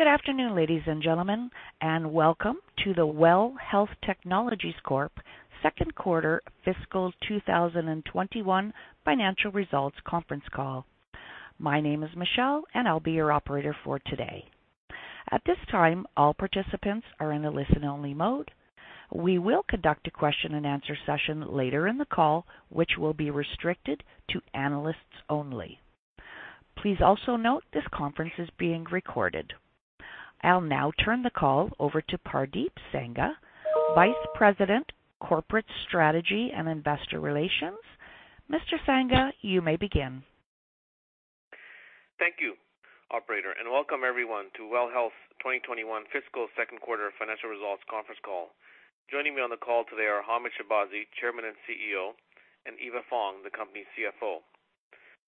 Good afternoon, ladies and gentlemen, and welcome to the WELL Health Technologies Corp Second Quarter Fiscal 2021 Financial Results Conference Call. My name is Michelle, and I'll be your operator for today. At this time, all participants are in a listen-only mode. We will conduct a question and answer session later in the call, which will be restricted to analysts only. Please also note this conference is being recorded. I'll now turn the call over to Pardeep Sangha, Vice President, Corporate Strategy and Investor Relations. Mr. Sangha, you may begin. Thank you, operator, and welcome everyone to WELL Health's 2021 Fiscal Second Quarter Financial Results Conference Call. Joining me on the call today are Hamed Shahbazi, Chairman and CEO, and Eva Fong, the company's CFO.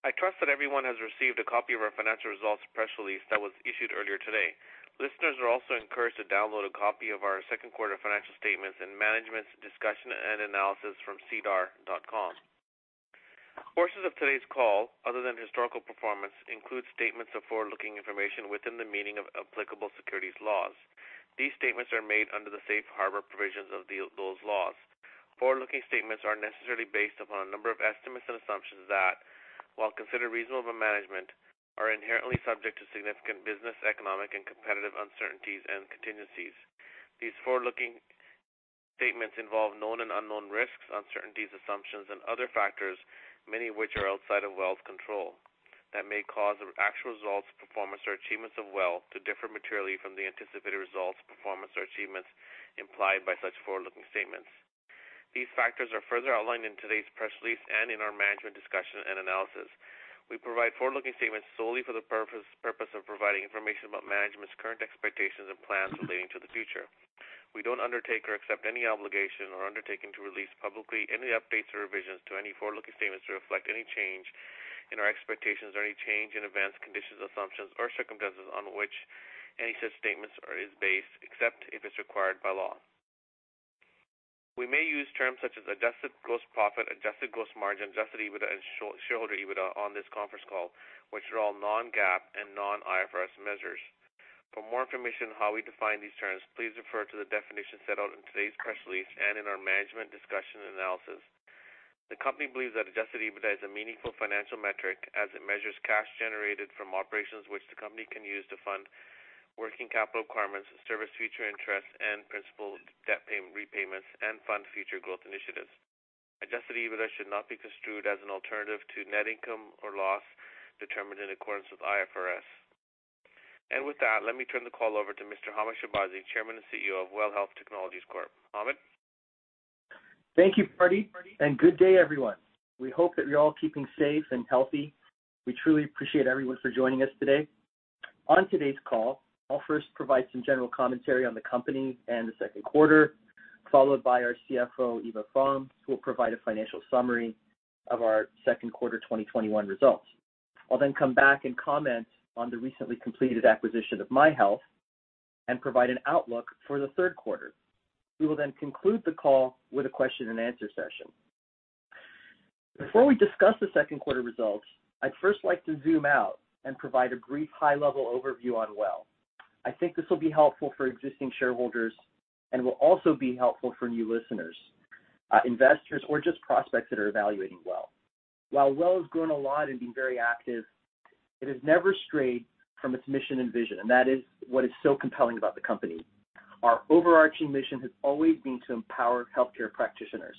I trust that everyone has received a copy of our financial results press release that was issued earlier today. Listeners are also encouraged to download a copy of our second quarter financial statements and management's discussion and analysis from sedar.com. Portions of today's call, other than historical performance, include statements of forward-looking information within the meaning of applicable securities laws. These statements are made under the safe harbor provisions of those laws. Forward-looking statements are necessarily based upon a number of estimates and assumptions that, while considered reasonable management, are inherently subject to significant business, economic, and competitive uncertainties and contingencies. These forward-looking statements involve known and unknown risks, uncertainties, assumptions, and other factors, many of which are outside of WELL's control that may cause actual results, performance, or achievements of WELL to differ materially from the anticipated results, performance, or achievements implied by such forward-looking statements. These factors are further outlined in today's press release and in our Management Discussion and Analysis. We provide forward-looking statements solely for the purpose of providing information about management's current expectations and plans relating to the future. We don't undertake or accept any obligation or undertaking to release publicly any updates or revisions to any forward-looking statements to reflect any change in our expectations or any change in events, conditions, assumptions, or circumstances on which any such statement is based, except if it's required by law. We may use terms such as adjusted gross profit, adjusted gross margin, Adjusted EBITDA, and shareholder EBITDA on this conference call, which are all non-GAAP and non-IFRS measures. For more information on how we define these terms, please refer to the definition set out in today's press release and in our management discussion and analysis. The company believes that adjusted EBITDA is a meaningful financial metric as it measures cash generated from operations which the company can use to fund working capital requirements, service future interest and principal debt repayments, and fund future growth initiatives. Adjusted EBITDA should not be construed as an alternative to net income or loss determined in accordance with IFRS. With that, let me turn the call over to Mr. Hamed Shahbazi, Chairman and CEO of WELL Health Technologies Corp. Hamed. Thank you, Pardeep, and good day, everyone. We hope that you're all keeping safe and healthy. We truly appreciate everyone for joining us today. On today's call, I'll first provide some general commentary on the company and the second quarter, followed by our CFO, Eva Fong, who will provide a financial summary of our second quarter 2021 results. I'll then come back and comment on the recently completed acquisition of MyHealth and provide an outlook for the third quarter. We will then conclude the call with a question and answer session. Before we discuss the second quarter results, I'd first like to zoom out and provide a brief high-level overview on WELL. I think this will be helpful for existing shareholders and will also be helpful for new listeners, investors, or just prospects that are evaluating WELL. While WELL has grown a lot and been very active, it has never strayed from its mission and vision, and that is what is so compelling about the company. Our overarching mission has always been to empower healthcare practitioners.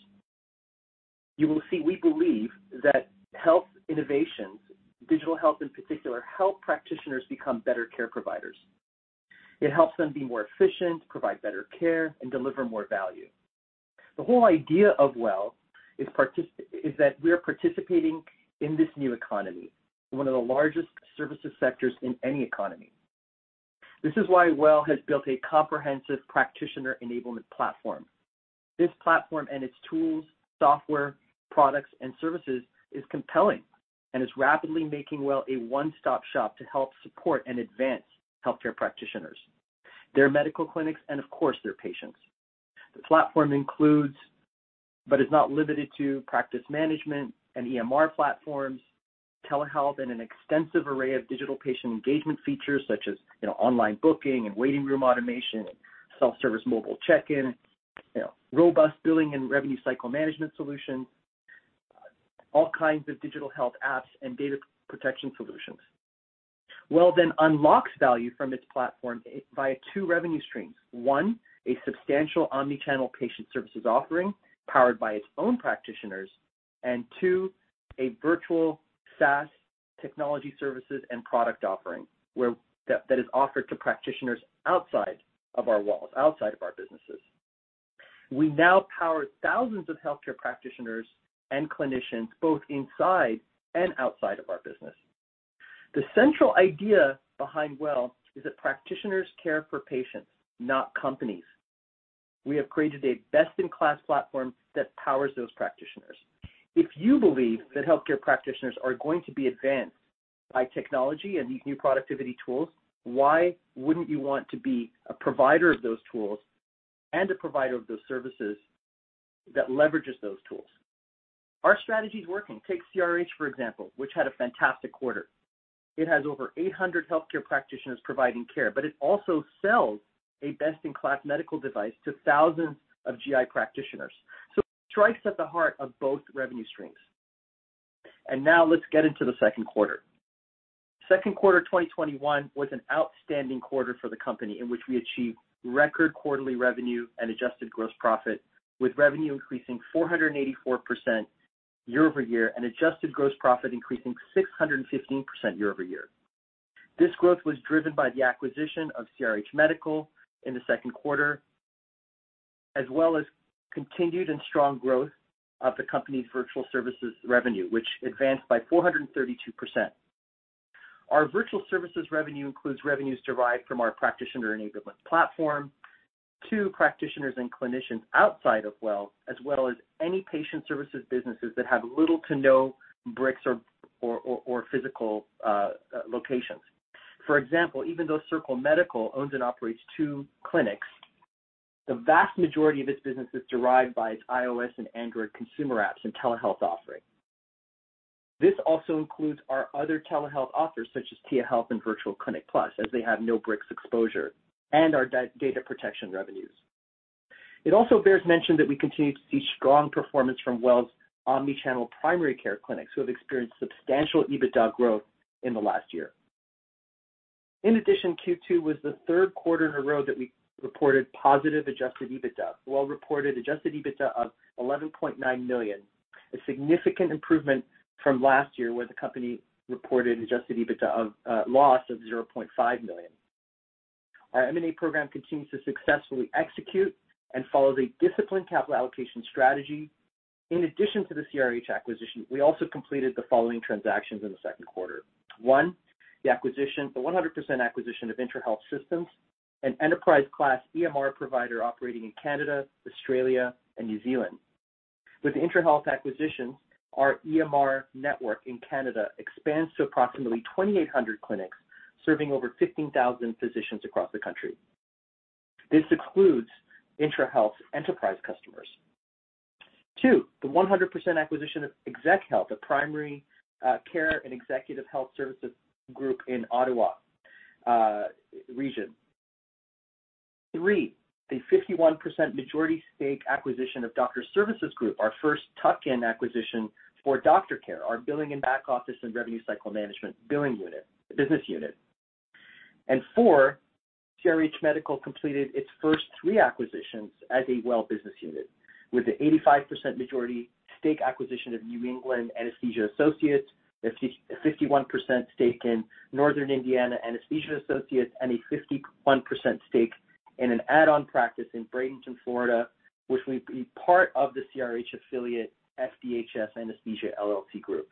You will see, we believe that health innovations, digital health in particular, help practitioners become better care providers. It helps them be more efficient, provide better care, and deliver more value. The whole idea of WELL is that we're participating in this new economy, one of the largest services sectors in any economy. This is why WELL has built a comprehensive practitioner enablement platform. This platform and its tools, software, products, and services is compelling and is rapidly making WELL a one-stop shop to help support and advance healthcare practitioners, their medical clinics, and of course, their patients. The platform includes, but is not limited to practice management and EMR platforms, telehealth, and an extensive array of digital patient engagement features such as online booking and waiting room automation and self-service mobile check-in, robust billing and revenue cycle management solutions, all kinds of digital health apps, and data protection solutions. WELL unlocks value from its platform via two revenue streams. One, a substantial omni-channel patient services offering powered by its own practitioners. Two, a virtual SaaS technology services and product offering that is offered to practitioners outside of our walls, outside of our businesses. We now power thousands of healthcare practitioners and clinicians both inside and outside of our business. The central idea behind WELL is that practitioners care for patients, not companies. We have created a best-in-class platform that powers those practitioners. If you believe that healthcare practitioners are going to be advanced by technology and these new productivity tools, why wouldn't you want to be a provider of those tools and a provider of those services that leverages those tools? Our strategy is working. Take CRH, for example, which had a fantastic quarter. It has over 800 healthcare practitioners providing care, but it also sells a best-in-class medical device to thousands of GI practitioners. It strikes at the heart of both revenue streams. Now let's get into the second quarter. Second quarter 2021 was an outstanding quarter for the company in which we achieved record quarterly revenue and adjusted gross profit, with revenue increasing 484% year-over-year and adjusted gross profit increasing 615% year-over-year. This growth was driven by the acquisition of CRH Medical in the second quarter, as well as continued and strong growth of the company's virtual services revenue, which advanced by 432%. Our virtual services revenue includes revenues derived from our practitioner enablement platform to practitioners and clinicians outside of WELL Health, as well as any patient services businesses that have little to no bricks or physical locations. For example, even though Circle Medical owns and operates two clinics, the vast majority of its business is derived by its iOS and Android consumer apps and telehealth offerings. This also includes our other telehealth offers such as Tia Health and VirtualClinic+, as they have no bricks exposure and our data protection revenues. It also bears mention that we continue to see strong performance from WELL Health's omni-channel primary care clinics, who have experienced substantial EBITDA growth in the last year. In addition, Q2 was the third quarter in a row that we reported positive Adjusted EBITDA. WELL reported Adjusted EBITDA of 11.9 million, a significant improvement from last year when the company reported Adjusted EBITDA loss of 0.5 million. Our M&A program continues to successfully execute and follows a disciplined capital allocation strategy. In addition to the CRH acquisition, we also completed the following transactions in the second quarter. One, the 100% acquisition of Intrahealth Systems, an enterprise-class EMR provider operating in Canada, Australia, and New Zealand. With the Intrahealth acquisition, our EMR network in Canada expands to approximately 2,800 clinics, serving over 15,000 physicians across the country. This excludes Intrahealth's enterprise customers. Two, the 100% acquisition of ExecHealth, a primary care and executive health services group in Ottawa region. Three, the 51% majority stake acquisition of Doctor Services Group, our first tuck-in acquisition for DoctorCare, our billing and back office and revenue cycle management business unit. Four, CRH Medical completed its first 3 acquisitions as a WELL business unit with the 85% majority stake acquisition of New England Anesthesia Associates, a 51% stake in Northern Indiana Anesthesia Associates, and a 51% stake in an add-on practice in Bradenton, Florida, which will be part of the CRH affiliate FDHS Anesthesia, LLC group.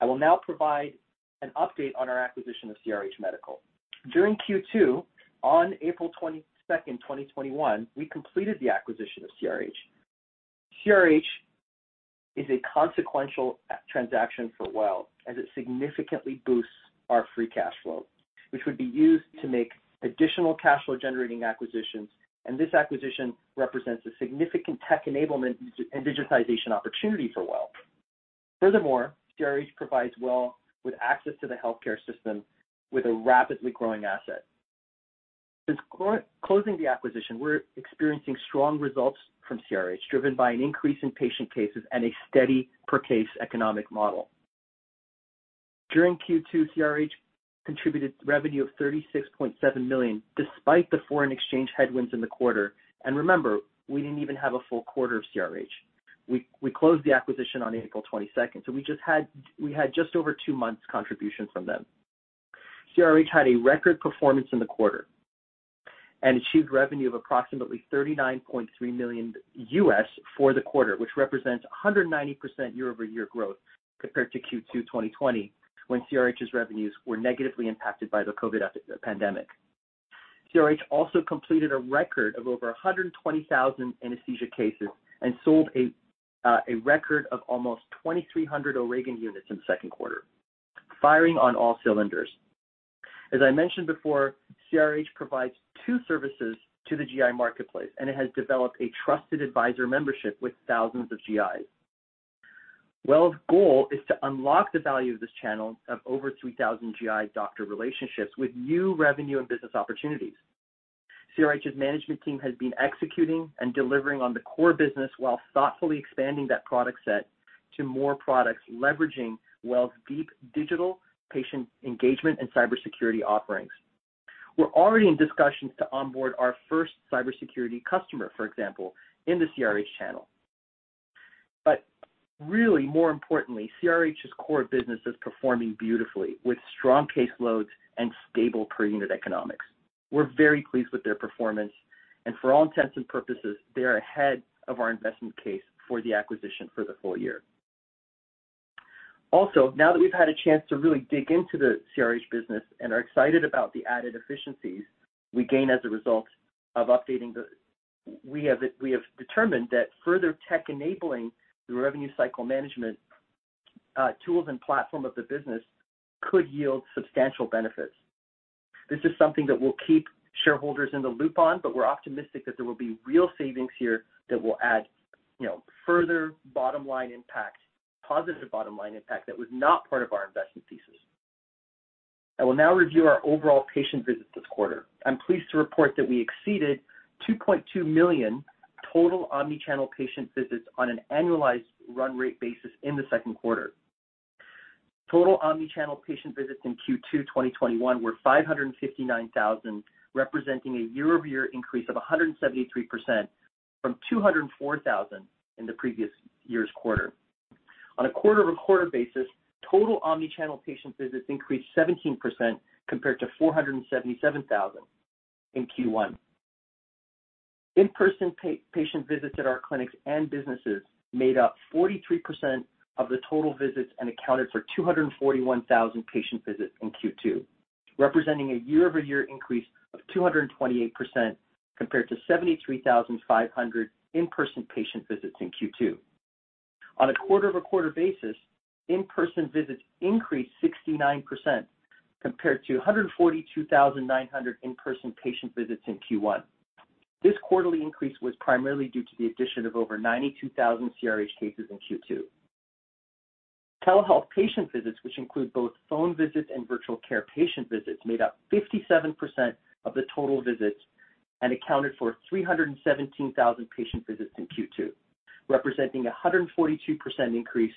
I will now provide an update on our acquisition of CRH Medical. During Q2, on April 22, 2021, we completed the acquisition of CRH. CRH is a consequential transaction for WELL as it significantly boosts our free cash flow, which would be used to make additional cash flow generating acquisitions. This acquisition represents a significant tech enablement and digitization opportunity for WELL. Furthermore, CRH provides WELL with access to the healthcare system with a rapidly growing asset. Since closing the acquisition, we're experiencing strong results from CRH, driven by an increase in patient cases and a steady per case economic model. During Q2, CRH contributed revenue of 36.7 million, despite the foreign exchange headwinds in the quarter. Remember, we didn't even have a full quarter of CRH. We closed the acquisition on April 22nd, so we had just over two months contribution from them. CRH had a record performance in the quarter and achieved revenue of approximately $39.3 million for the quarter, which represents 190% year-over-year growth compared to Q2 2020 when CRH's revenues were negatively impacted by the COVID pandemic. CRH also completed a record of over 120,000 anesthesia cases and sold a record of almost 2,300 O'Regan units in the second quarter, firing on all cylinders. As I mentioned before, CRH provides two services to the GI marketplace, and it has developed a trusted advisor membership with thousands of GIs. WELL's goal is to unlock the value of this channel of over 3,000 GI doctor relationships with new revenue and business opportunities. CRH's management team has been executing and delivering on the core business while thoughtfully expanding that product set to more products leveraging WELL's deep digital patient engagement and cybersecurity offerings. We're already in discussions to onboard our first cybersecurity customer, for example, in the CRH channel. Really more importantly, CRH's core business is performing beautifully with strong caseloads and stable per unit economics. We're very pleased with their performance and for all intents and purposes, they are ahead of our investment case for the acquisition for the full year. Also, now that we've had a chance to really dig into the CRH business and are excited about the added efficiencies we gain as a result of updating. We have determined that further tech enabling the revenue cycle management tools and platform of the business could yield substantial benefits. This is something that we'll keep shareholders in the loop on, but we're optimistic that there will be real savings here that will add further bottom line impact, positive bottom line impact that was not part of our investment thesis. I will now review our overall patient visits this quarter. I'm pleased to report that we exceeded 2.2 million total omni-channel patient visits on an annualized run rate basis in the second quarter. Total omni-channel patient visits in Q2 2021 were 559,000, representing a year-over-year increase of 173% from 204,000 in the previous year's quarter. On a quarter-over-quarter basis, total omni-channel patient visits increased 17% compared to 477,000 in Q1. In-person patient visits at our clinics and businesses made up 43% of the total visits and accounted for 241,000 patient visits in Q2, representing a year-over-year increase of 228% compared to 73,500 in-person patient visits in Q2. On a quarter-over-quarter basis, in-person visits increased 69% compared to 142,900 in-person patient visits in Q1. This quarterly increase was primarily due to the addition of over 92,000 CRH cases in Q2. Telehealth patient visits, which include both phone visits and virtual care patient visits, made up 57% of the total visits and accounted for 317,000 patient visits in Q2, representing 142% increase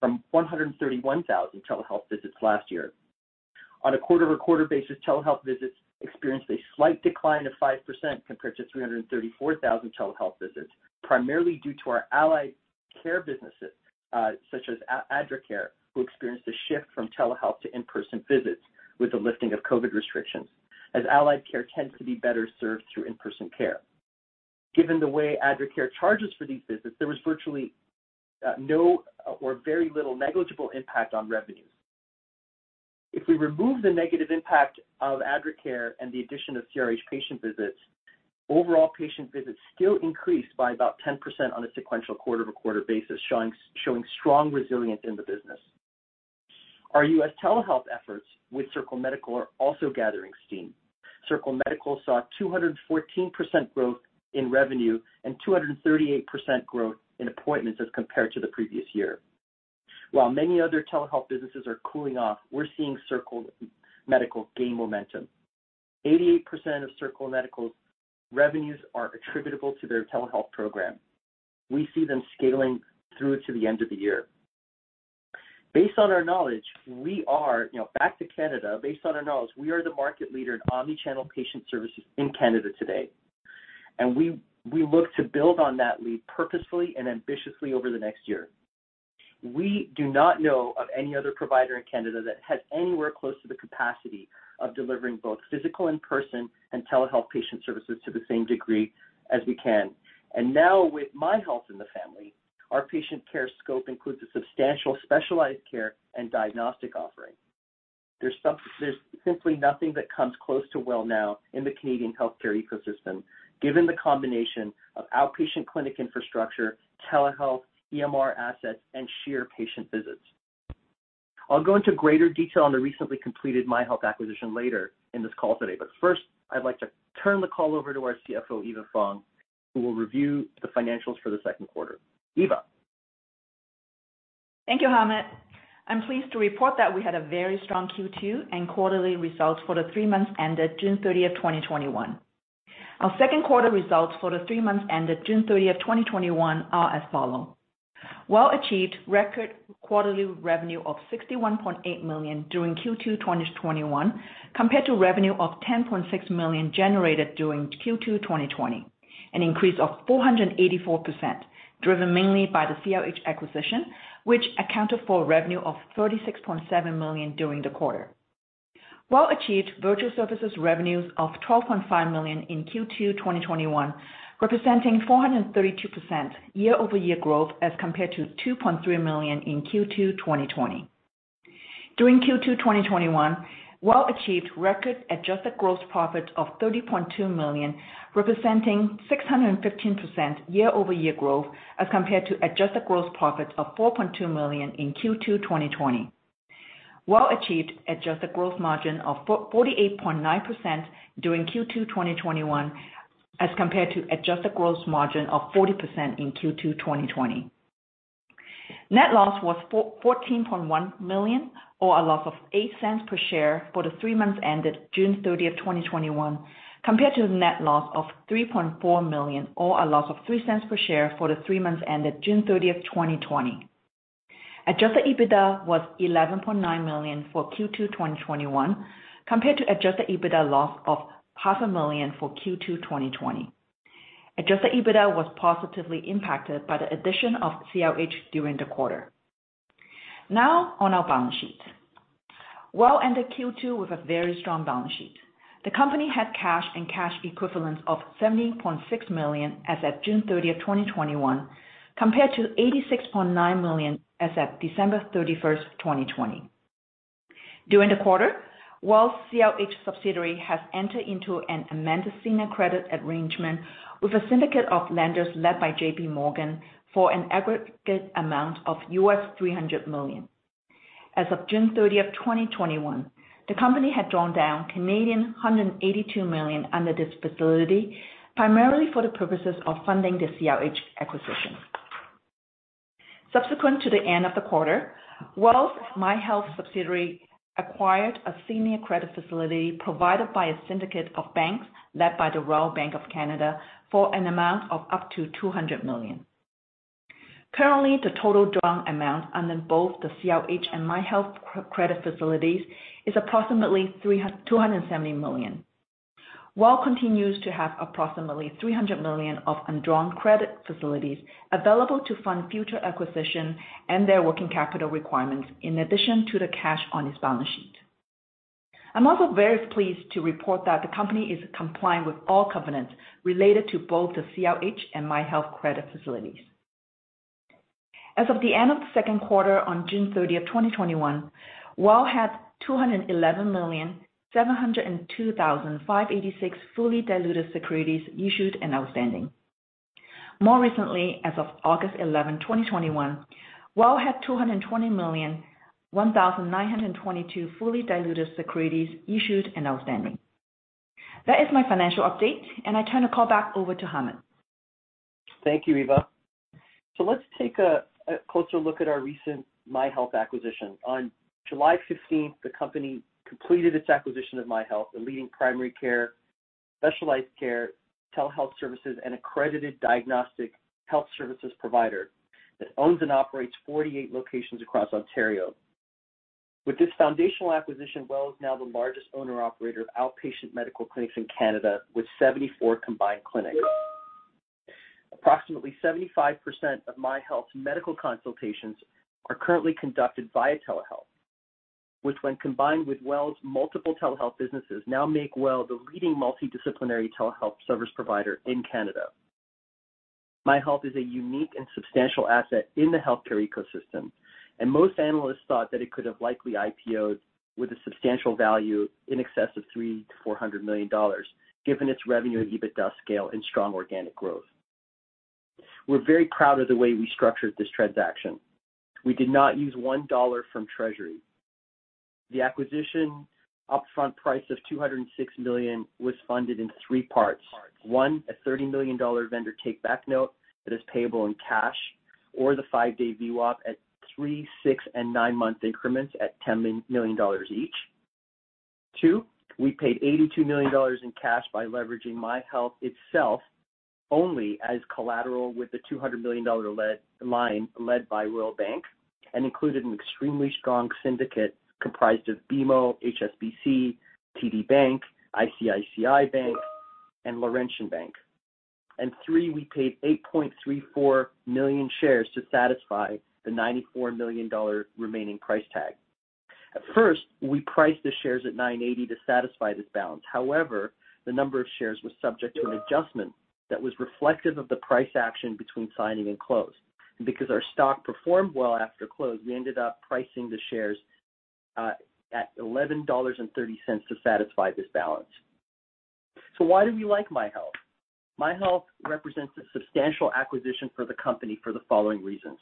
from 131,000 telehealth visits last year. On a quarter-over-quarter basis, telehealth visits experienced a slight decline of 5% compared to 334,000 telehealth visits, primarily due to our allied care businesses, such as Adracare, who experienced a shift from telehealth to in-person visits with the lifting of COVID restrictions, as allied care tends to be better served through in-person care. Given the way Adracare charges for these visits, there was virtually no or very little negligible impact on revenues. If we remove the negative impact of Adracare and the addition of CRH patient visits, overall patient visits still increased by about 10% on a sequential quarter-over-quarter basis, showing strong resilience in the business. Our U.S. telehealth efforts with Circle Medical are also gathering steam. Circle Medical saw 214% growth in revenue and 238% growth in appointments as compared to the previous year. While many other telehealth businesses are cooling off, we're seeing Circle Medical gain momentum. 88% of Circle Medical's revenues are attributable to their telehealth program. We see them scaling through to the end of the year. Back to Canada, based on our knowledge, we are the market leader in omni-channel patient services in Canada today. We look to build on that lead purposefully and ambitiously over the next year. We do not know of any other provider in Canada that has anywhere close to the capacity of delivering both physical in-person and telehealth patient services to the same degree as we can. Now with MyHealth in the family, our patient care scope includes a substantial specialized care and diagnostic offering. There's simply nothing that comes close to WELL Health in the Canadian healthcare ecosystem, given the combination of outpatient clinic infrastructure, telehealth, EMR assets, and sheer patient visits. I'll go into greater detail on the recently completed MyHealth acquisition later in this call today. First, I'd like to turn the call over to our CFO, Eva Fong, who will review the financials for the second quarter. Eva. Thank you, Hamed. I'm pleased to report that we had a very strong Q2 and quarterly results for the three months ended June 30th, 2021. Our second quarter results for the three months ended June 30th, 2021 are as follow. WELL achieved record quarterly revenue of 61.8 million during Q2 2021, compared to revenue of 10.6 million generated during Q2 2020, an increase of 484%, driven mainly by the CRH acquisition, which accounted for revenue of 36.7 million during the quarter. WELL achieved virtual services revenues of 12.5 million in Q2 2021, representing 432% year-over-year growth as compared to 2.3 million in Q2 2020. During Q2 2021, WELL achieved record adjusted gross profit of 30.2 million, representing 615% year-over-year growth as compared to adjusted gross profit of 4.2 million in Q2 2020. WELL achieved adjusted gross margin of 48.9% during Q2 2021 as compared to adjusted gross margin of 40% in Q2 2020. Net loss was 14.1 million or a loss of 0.08 per share for the three months ended June 30th, 2021, compared to the net loss of 3.4 million or a loss of 0.03 per share for the three months ended June 30th, 2020. Adjusted EBITDA was 11.9 million for Q2 2021 compared to Adjusted EBITDA loss of half a million for Q2 2020. Adjusted EBITDA was positively impacted by the addition of CRH during the quarter. On our balance sheet. WELL ended Q2 with a very strong balance sheet. The company had cash and cash equivalents of 70.6 million as at June 30th, 2021, compared to 86.9 million as at December 31st, 2020. During the quarter, WELL's CRH subsidiary has entered into an amended senior credit arrangement with a syndicate of lenders led by JPMorgan for an aggregate amount of $300 million. As of June 30th, 2021, the company had drawn down 182 million under this facility, primarily for the purposes of funding the CRH acquisition. Subsequent to the end of the quarter, WELL's MyHealth subsidiary acquired a senior credit facility provided by a syndicate of banks, led by the Royal Bank of Canada, for an amount of up to 200 million. Currently, the total drawn amount under both the CRH and MyHealth credit facilities is approximately 270 million. WELL continues to have approximately 300 million of undrawn credit facilities available to fund future acquisition and their working capital requirements, in addition to the cash on its balance sheet. I'm also very pleased to report that the company is compliant with all covenants related to both the CRH and MyHealth credit facilities. As of the end of the second quarter on June 30th, 2021, WELL had 211,702,586 fully diluted securities issued and outstanding. More recently, as of August 11, 2021, WELL had 220,001,922 fully diluted securities issued and outstanding. That is my financial update. I turn the call back over to Hamed Shahbazi. Thank you, Eva. Let's take a closer look at our recent MyHealth acquisition. On July 15th, the company completed its acquisition of MyHealth, a leading primary care, specialized care, telehealth services, and accredited diagnostic health services provider that owns and operates 48 locations across Ontario. With this foundational acquisition, WELL is now the largest owner/operator of outpatient medical clinics in Canada, with 74 combined clinics. Approximately 75% of MyHealth's medical consultations are currently conducted via telehealth, which when combined with WELL's multiple telehealth businesses, now make WELL the leading multidisciplinary telehealth service provider in Canada. MyHealth is a unique and substantial asset in the healthcare ecosystem, and most analysts thought that it could have likely IPO'd with a substantial value in excess of 300 million-400 million dollars, given its revenue, EBITDA scale, and strong organic growth. We're very proud of the way we structured this transaction. We did not use 1 dollar from treasury. The acquisition upfront price of 206 million was funded in three parts. One, a 30 million dollar vendor take-back note that is payable in cash or the five-day VWAP at three, six, and nine-month increments at 10 million dollars each. Two, we paid 82 million dollars in cash by leveraging MyHealth itself only as collateral with the 200 million dollar line led by Royal Bank and included an extremely strong syndicate comprised of BMO, HSBC, TD Bank, ICICI Bank, and Laurentian Bank. Three, we paid 8.34 million shares to satisfy the 94 million dollar remaining price tag. At first, we priced the shares at 9.80 to satisfy this balance. However, the number of shares was subject to an adjustment that was reflective of the price action between signing and close. Because our stock performed well after close, we ended up pricing the shares at 11.30 dollars to satisfy this balance. Why do we like MyHealth? MyHealth represents a substantial acquisition for the company for the following reasons.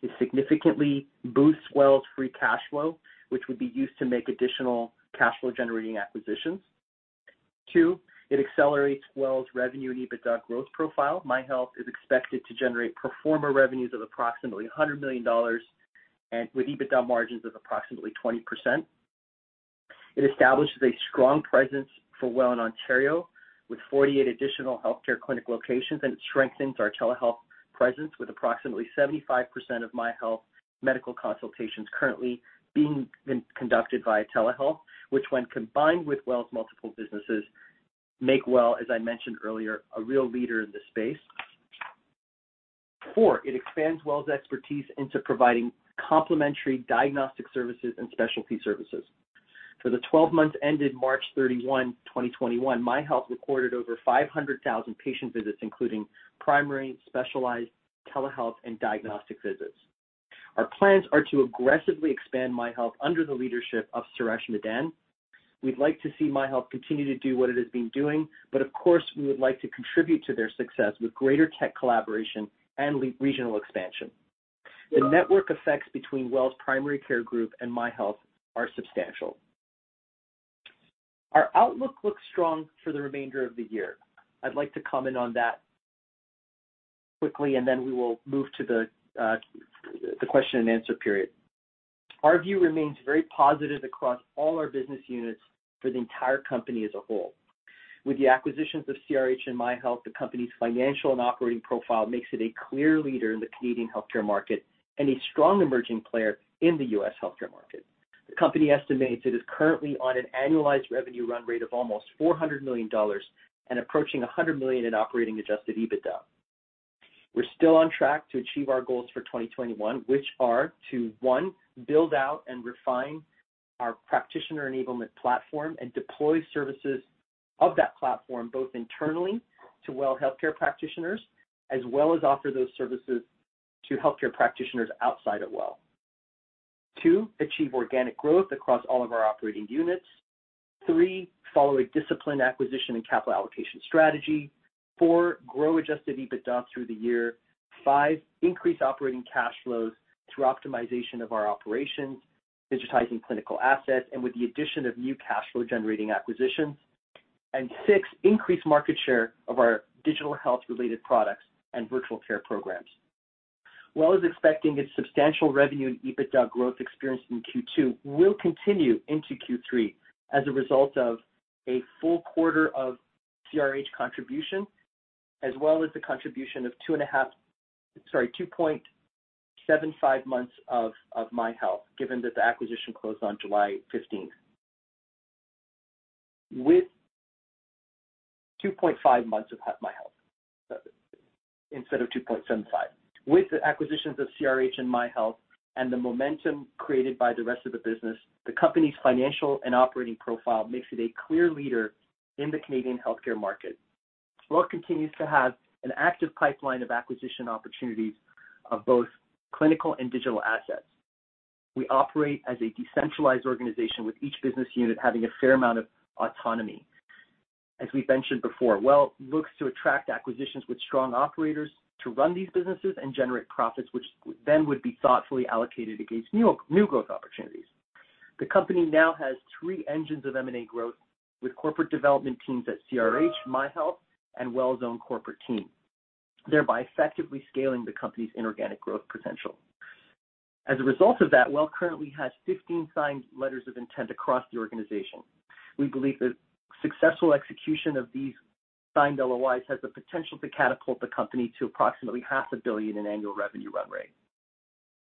It significantly boosts WELL's free cash flow, which would be used to make additional cash flow generating acquisitions. Two, it accelerates WELL's revenue and EBITDA growth profile. MyHealth is expected to generate pro forma revenues of approximately 100 million dollars, and with EBITDA margins of approximately 20%. It establishes a strong presence for WELL in Ontario with 48 additional healthcare clinic locations, and it strengthens our telehealth presence with approximately 75% of MyHealth medical consultations currently being conducted via telehealth, which when combined with WELL's multiple businesses, make WELL, as I mentioned earlier, a real leader in this space. Four, it expands WELL's expertise into providing complementary diagnostic services and specialty services. For the 12 months ended March 31, 2021, MyHealth recorded over 500,000 patient visits, including primary, specialized, telehealth, and diagnostic visits. Our plans are to aggressively expand MyHealth under the leadership of Suresh Madan. We'd like to see MyHealth continue to do what it has been doing, but of course, we would like to contribute to their success with greater tech collaboration and regional expansion. The network effects between WELL's Primary Care Group and MyHealth are substantial. Our outlook looks strong for the remainder of the year. I'd like to comment on that quickly, and then we will move to the question and answer period. Our view remains very positive across all our business units for the entire company as a whole. With the acquisitions of CRH and MyHealth, the company's financial and operating profile makes it a clear leader in the Canadian healthcare market and a strong emerging player in the U.S. healthcare market. The company estimates it is currently on an annualized revenue run rate of almost 400 million dollars and approaching 100 million in operating Adjusted EBITDA. We're still on track to achieve our goals for 2021, which are to, one, build out and refine our practitioner enablement platform and deploy services of that platform both internally to WELL healthcare practitioners, as well as offer those services to healthcare practitioners outside of WELL. Two, achieve organic growth across all of our operating units. Three, follow a disciplined acquisition and capital allocation strategy. Four, grow adjusted EBITDA through the year. Five, increase operating cash flows through optimization of our operations, digitizing clinical assets, and with the addition of new cash flow generating acquisitions. Six, increase market share of our digital health related products and virtual care programs. WELL is expecting its substantial revenue and EBITDA growth experienced in Q2 will continue into Q3 as a result of a full quarter of CRH contribution, as well as the contribution of 2.75 months of MyHealth, given that the acquisition closed on July 15th. With 2.5 months of MyHealth, instead of 2.75. With the acquisitions of CRH and MyHealth and the momentum created by the rest of the business, the company's financial and operating profile makes it a clear leader in the Canadian healthcare market. WELL continues to have an active pipeline of acquisition opportunities of both clinical and digital assets. We operate as a decentralized organization, with each business unit having a fair amount of autonomy. As we've mentioned before, WELL looks to attract acquisitions with strong operators to run these businesses and generate profits, which then would be thoughtfully allocated against new growth opportunities. The company now has three engines of M&A growth with corporate development teams at CRH, MyHealth, and WELL's own corporate team, thereby effectively scaling the company's inorganic growth potential. As a result of that, WELL currently has 15 signed letters of intent across the organization. We believe the successful execution of these signed LOIs has the potential to catapult the company to approximately half a billion in annual revenue run rate.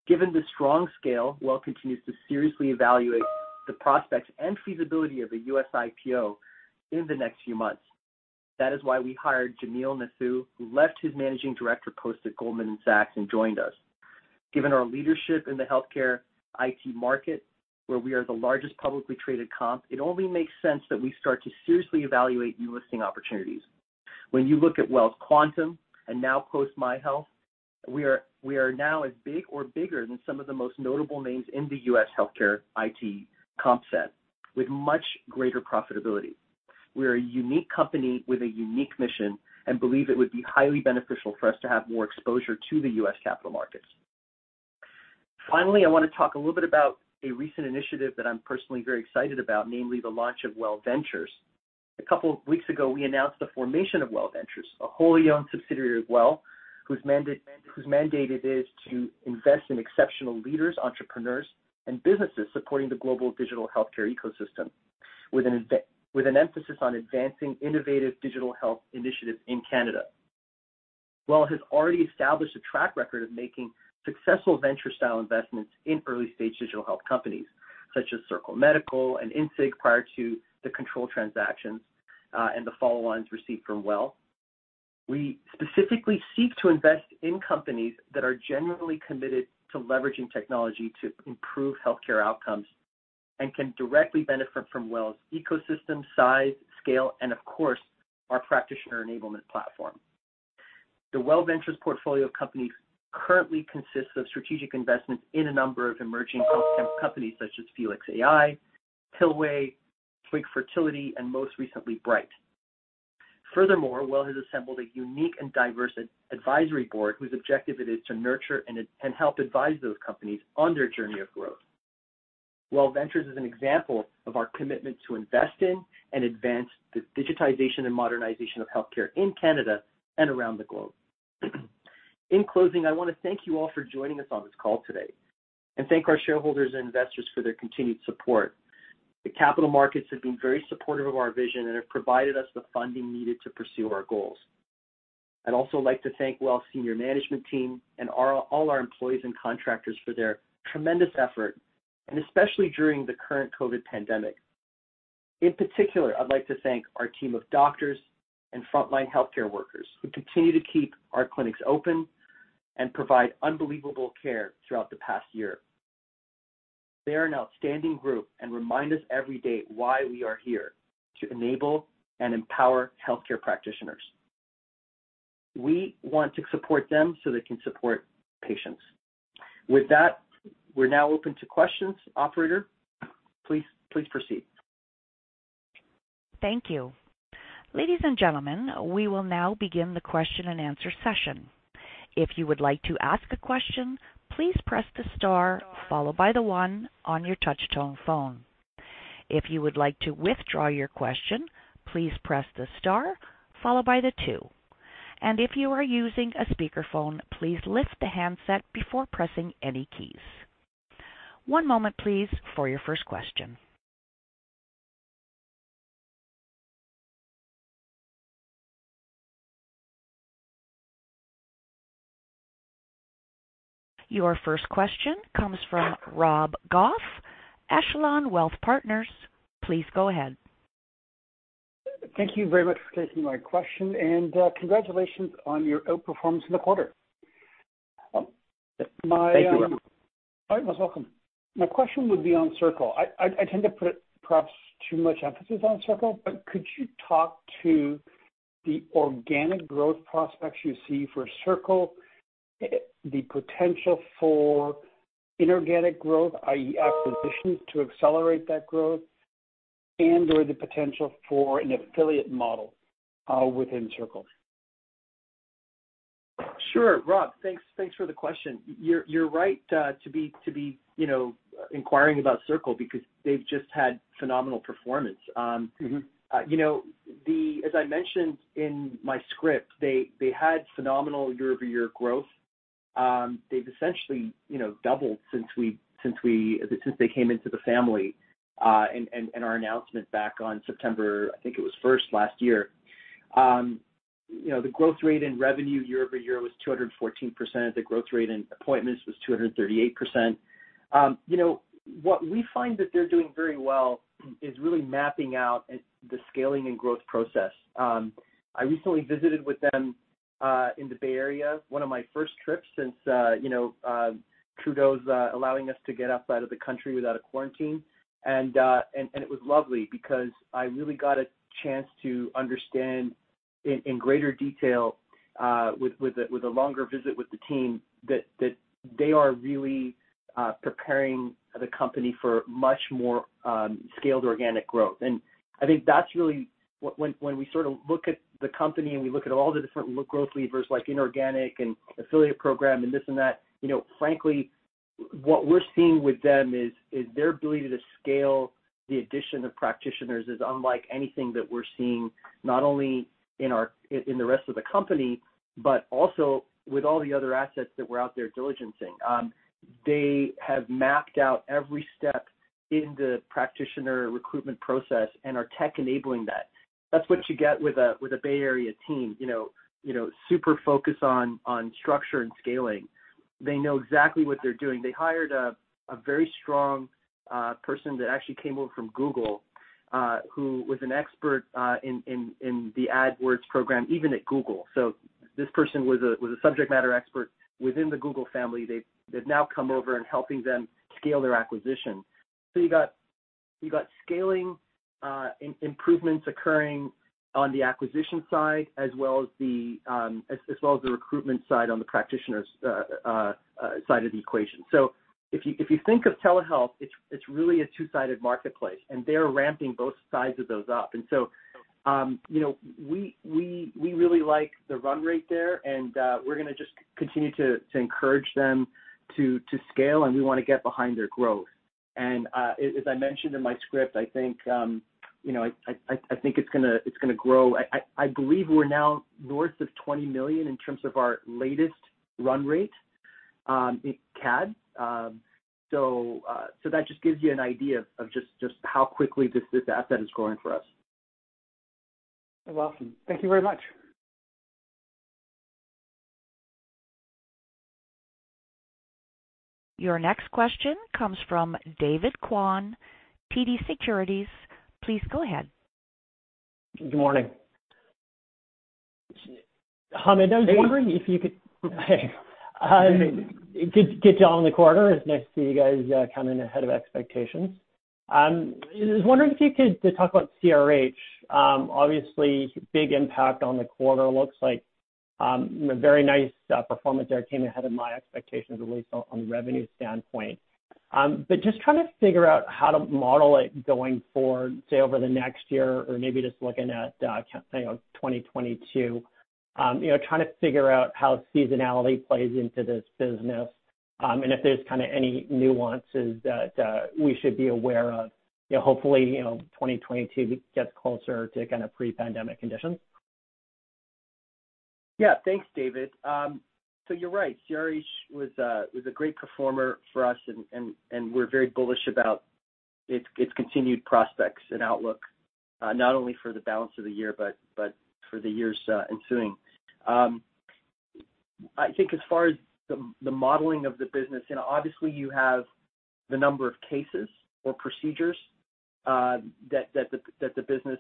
Given the strong scale, WELL continues to seriously evaluate the prospects and feasibility of a U.S. IPO in the next few months. That is why we hired Jamil Nathoo, who left his managing director post at Goldman Sachs and joined us. Given our leadership in the healthcare IT market, where we are the largest publicly traded comp, it only makes sense that we start to seriously evaluate new listing opportunities. When you look at WELL's quantum and now post MyHealth, we are now as big or bigger than some of the most notable names in the U.S. healthcare IT comp set with much greater profitability. We are a unique company with a unique mission and believe it would be highly beneficial for us to have more exposure to the U.S. capital markets. Finally, I want to talk a little bit about a recent initiative that I'm personally very excited about, namely the launch of WELL Ventures. A couple of weeks ago, we announced the formation of WELL Ventures, a wholly owned subsidiary of WELL Health, whose mandate it is to invest in exceptional leaders, entrepreneurs, and businesses supporting the global digital healthcare ecosystem with an emphasis on advancing innovative digital health initiatives in Canada. WELL Health has already established a track record of making successful venture style investments in early stage digital health companies such as Circle Medical and INSIG prior to the control transactions, and the follow-ons received from WELL Health. We specifically seek to invest in companies that are genuinely committed to leveraging technology to improve healthcare outcomes and can directly benefit from WELL Health's ecosystem, size, scale, and of course, our practitioner enablement platform. The WELL Ventures portfolio of companies currently consists of strategic investments in a number of emerging companies such as Phelix.ai, Pillway, Twig Fertility, and most recently, Bright. Furthermore, WELL has assembled a unique and diverse advisory board whose objective it is to nurture and help advise those companies on their journey of growth. WELL Ventures is an example of our commitment to invest in and advance the digitization and modernization of healthcare in Canada and around the globe. In closing, I want to thank you all for joining us on this call today and thank our shareholders and investors for their continued support. The capital markets have been very supportive of our vision and have provided us the funding needed to pursue our goals. I'd also like to thank WELL's senior management team and all our employees and contractors for their tremendous effort, and especially during the current COVID pandemic. In particular, I'd like to thank our team of doctors and frontline healthcare workers who continue to keep our clinics open and provide unbelievable care throughout the past year. They are an outstanding group and remind us every day why we are here, to enable and empower healthcare practitioners. We want to support them so they can support patients. With that, we're now open to questions. Operator, please proceed. Thank you. Ladies and gentlemen, we will now begin the question and answer session. If you would like to ask a question, please press star followed by one on your touchtone phone. If you would like to withdraw your question, please press star followed by the two. If you're using a speaker phone, please lift your handset before pressing any keys. One moment, please, for your first question. Your first question comes from Rob Goff, Echelon Wealth Partners. Please go ahead. Thank you very much for taking my question and congratulations on your outperformance in the quarter. Thank you. You're most welcome. My question would be on Circle. I tend to put perhaps too much emphasis on Circle, but could you talk to the organic growth prospects you see for Circle, the potential for inorganic growth, i.e., acquisitions to accelerate that growth and/or the potential for an affiliate model within Circle? Sure. Rob, thanks for the question. You're right to be inquiring about Circle because they've just had phenomenal performance. As I mentioned in my script, they had phenomenal year-over-year growth. They've essentially doubled since they came into the family, and our announcement back on September 1st, last year. The growth rate in revenue year-over-year was 214%. The growth rate in appointments was 238%. What we find that they're doing very well is really mapping out the scaling and growth process. I recently visited with them, in the Bay Area, one of my first trips since Trudeau's allowing us to get outside of the country without a quarantine. It was lovely because I really got a chance to understand in greater detail, with a longer visit with the team, that they are really preparing the company for much more scaled organic growth. I think that's really when we sort of look at the company and we look at all the different growth levers like inorganic and affiliate program and this and that, frankly, what we're seeing with them is their ability to scale the addition of practitioners is unlike anything that we're seeing, not only in the rest of the company, but also with all the other assets that we're out there diligencing. They have mapped out every step in the practitioner recruitment process and are tech-enabling that. That's what you get with a Bay Area team, super focused on structure and scaling. They know exactly what they're doing. They hired a very strong person that actually came over from Google, who was an expert in the AdWords program, even at Google. This person was a subject matter expert within the Google family. They've now come over and helping them scale their acquisition. You got scaling improvements occurring on the acquisition side as well as the recruitment side on the practitioners side of the equation. If you think of telehealth, it's really a two-sided marketplace, and they're ramping both sides of those up. We really like the run rate there, and we're going to just continue to encourage them to scale, and we want to get behind their growth. As I mentioned in my script, I think it's going to grow. I believe we're now north of 20 million in terms of our latest run rate, in CAD. That just gives you an idea of just how quickly this asset is growing for us. You're welcome. Thank you very much. Your next question comes from David Kwan, TD Securities. Please go ahead. Good morning. Hamed, I was wondering if you could- Hey. Good job on the quarter. It's nice to see you guys coming in ahead of expectations. I was wondering if you could talk about CRH. Obviously, big impact on the quarter. Looks like a very nice performance there. Came ahead of my expectations, at least on the revenue standpoint. Just trying to figure out how to model it going forward, say over the next year or maybe just looking at, say, 2022. Trying to figure out how seasonality plays into this business, and if there's kind of any nuances that we should be aware of. Hopefully, 2022 gets closer to kind of pre-pandemic conditions. Thanks, David. You are right, CRH was a great performer for us, and we are very bullish about its continued prospects and outlook, not only for the balance of the year, but for the years ensuing. I think as far as the modeling of the business, obviously you have the number of cases or procedures that the business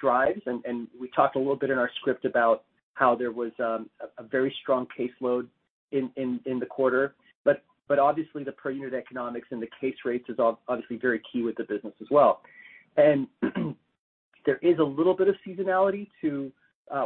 drives and we talked a little bit in our script about how there was a very strong caseload in the quarter. Obviously the per unit economics and the case rates is obviously very key with the business as well. There is a little bit of seasonality to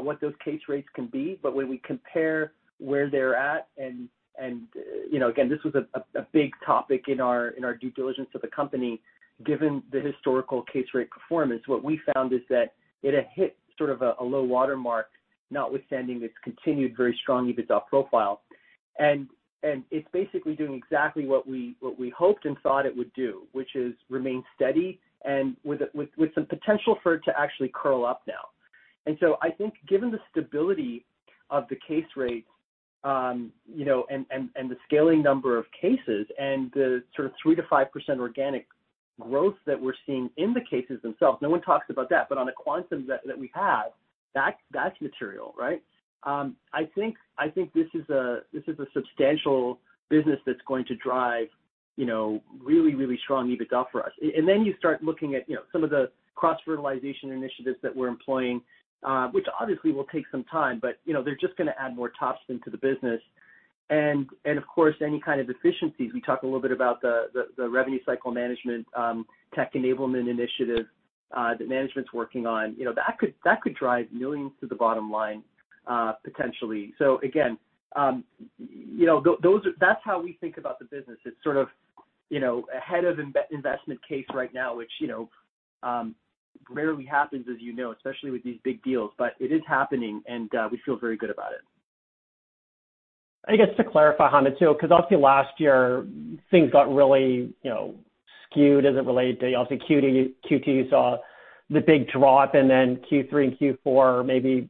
what those case rates can be, but when we compare where they're at and, again, this was a big topic in our due diligence of the company, given the historical case rate performance, what we found is that it had hit sort of a low water mark, notwithstanding this continued, very strong EBITDA profile. It's basically doing exactly what we hoped and thought it would do, which is remain steady and with some potential for it to actually curl up now. I think given the stability of the case rates, and the scaling number of cases and the sort of 3%-5% organic growth that we're seeing in the cases themselves, no one talks about that, but on the quantum that we have, that's material, right? I think this is a substantial business that's going to drive really strong EBITDA for us. You start looking at some of the cross-fertilization initiatives that we're employing, which obviously will take some time, but they're just going to add more top spin to the business, and of course, any kind of efficiencies. We talked a little bit about the revenue cycle management, tech enablement initiative that management's working on, that could drive millions to the bottom line, potentially. Again, that's how we think about the business. It's sort of ahead of investment case right now, which rarely happens as you know, especially with these big deals, but it is happening and we feel very good about it. I guess to clarify, Hamed, too, because obviously last year things got really skewed as it related to obviously Q2 you saw the big drop and then Q3 and Q4 maybe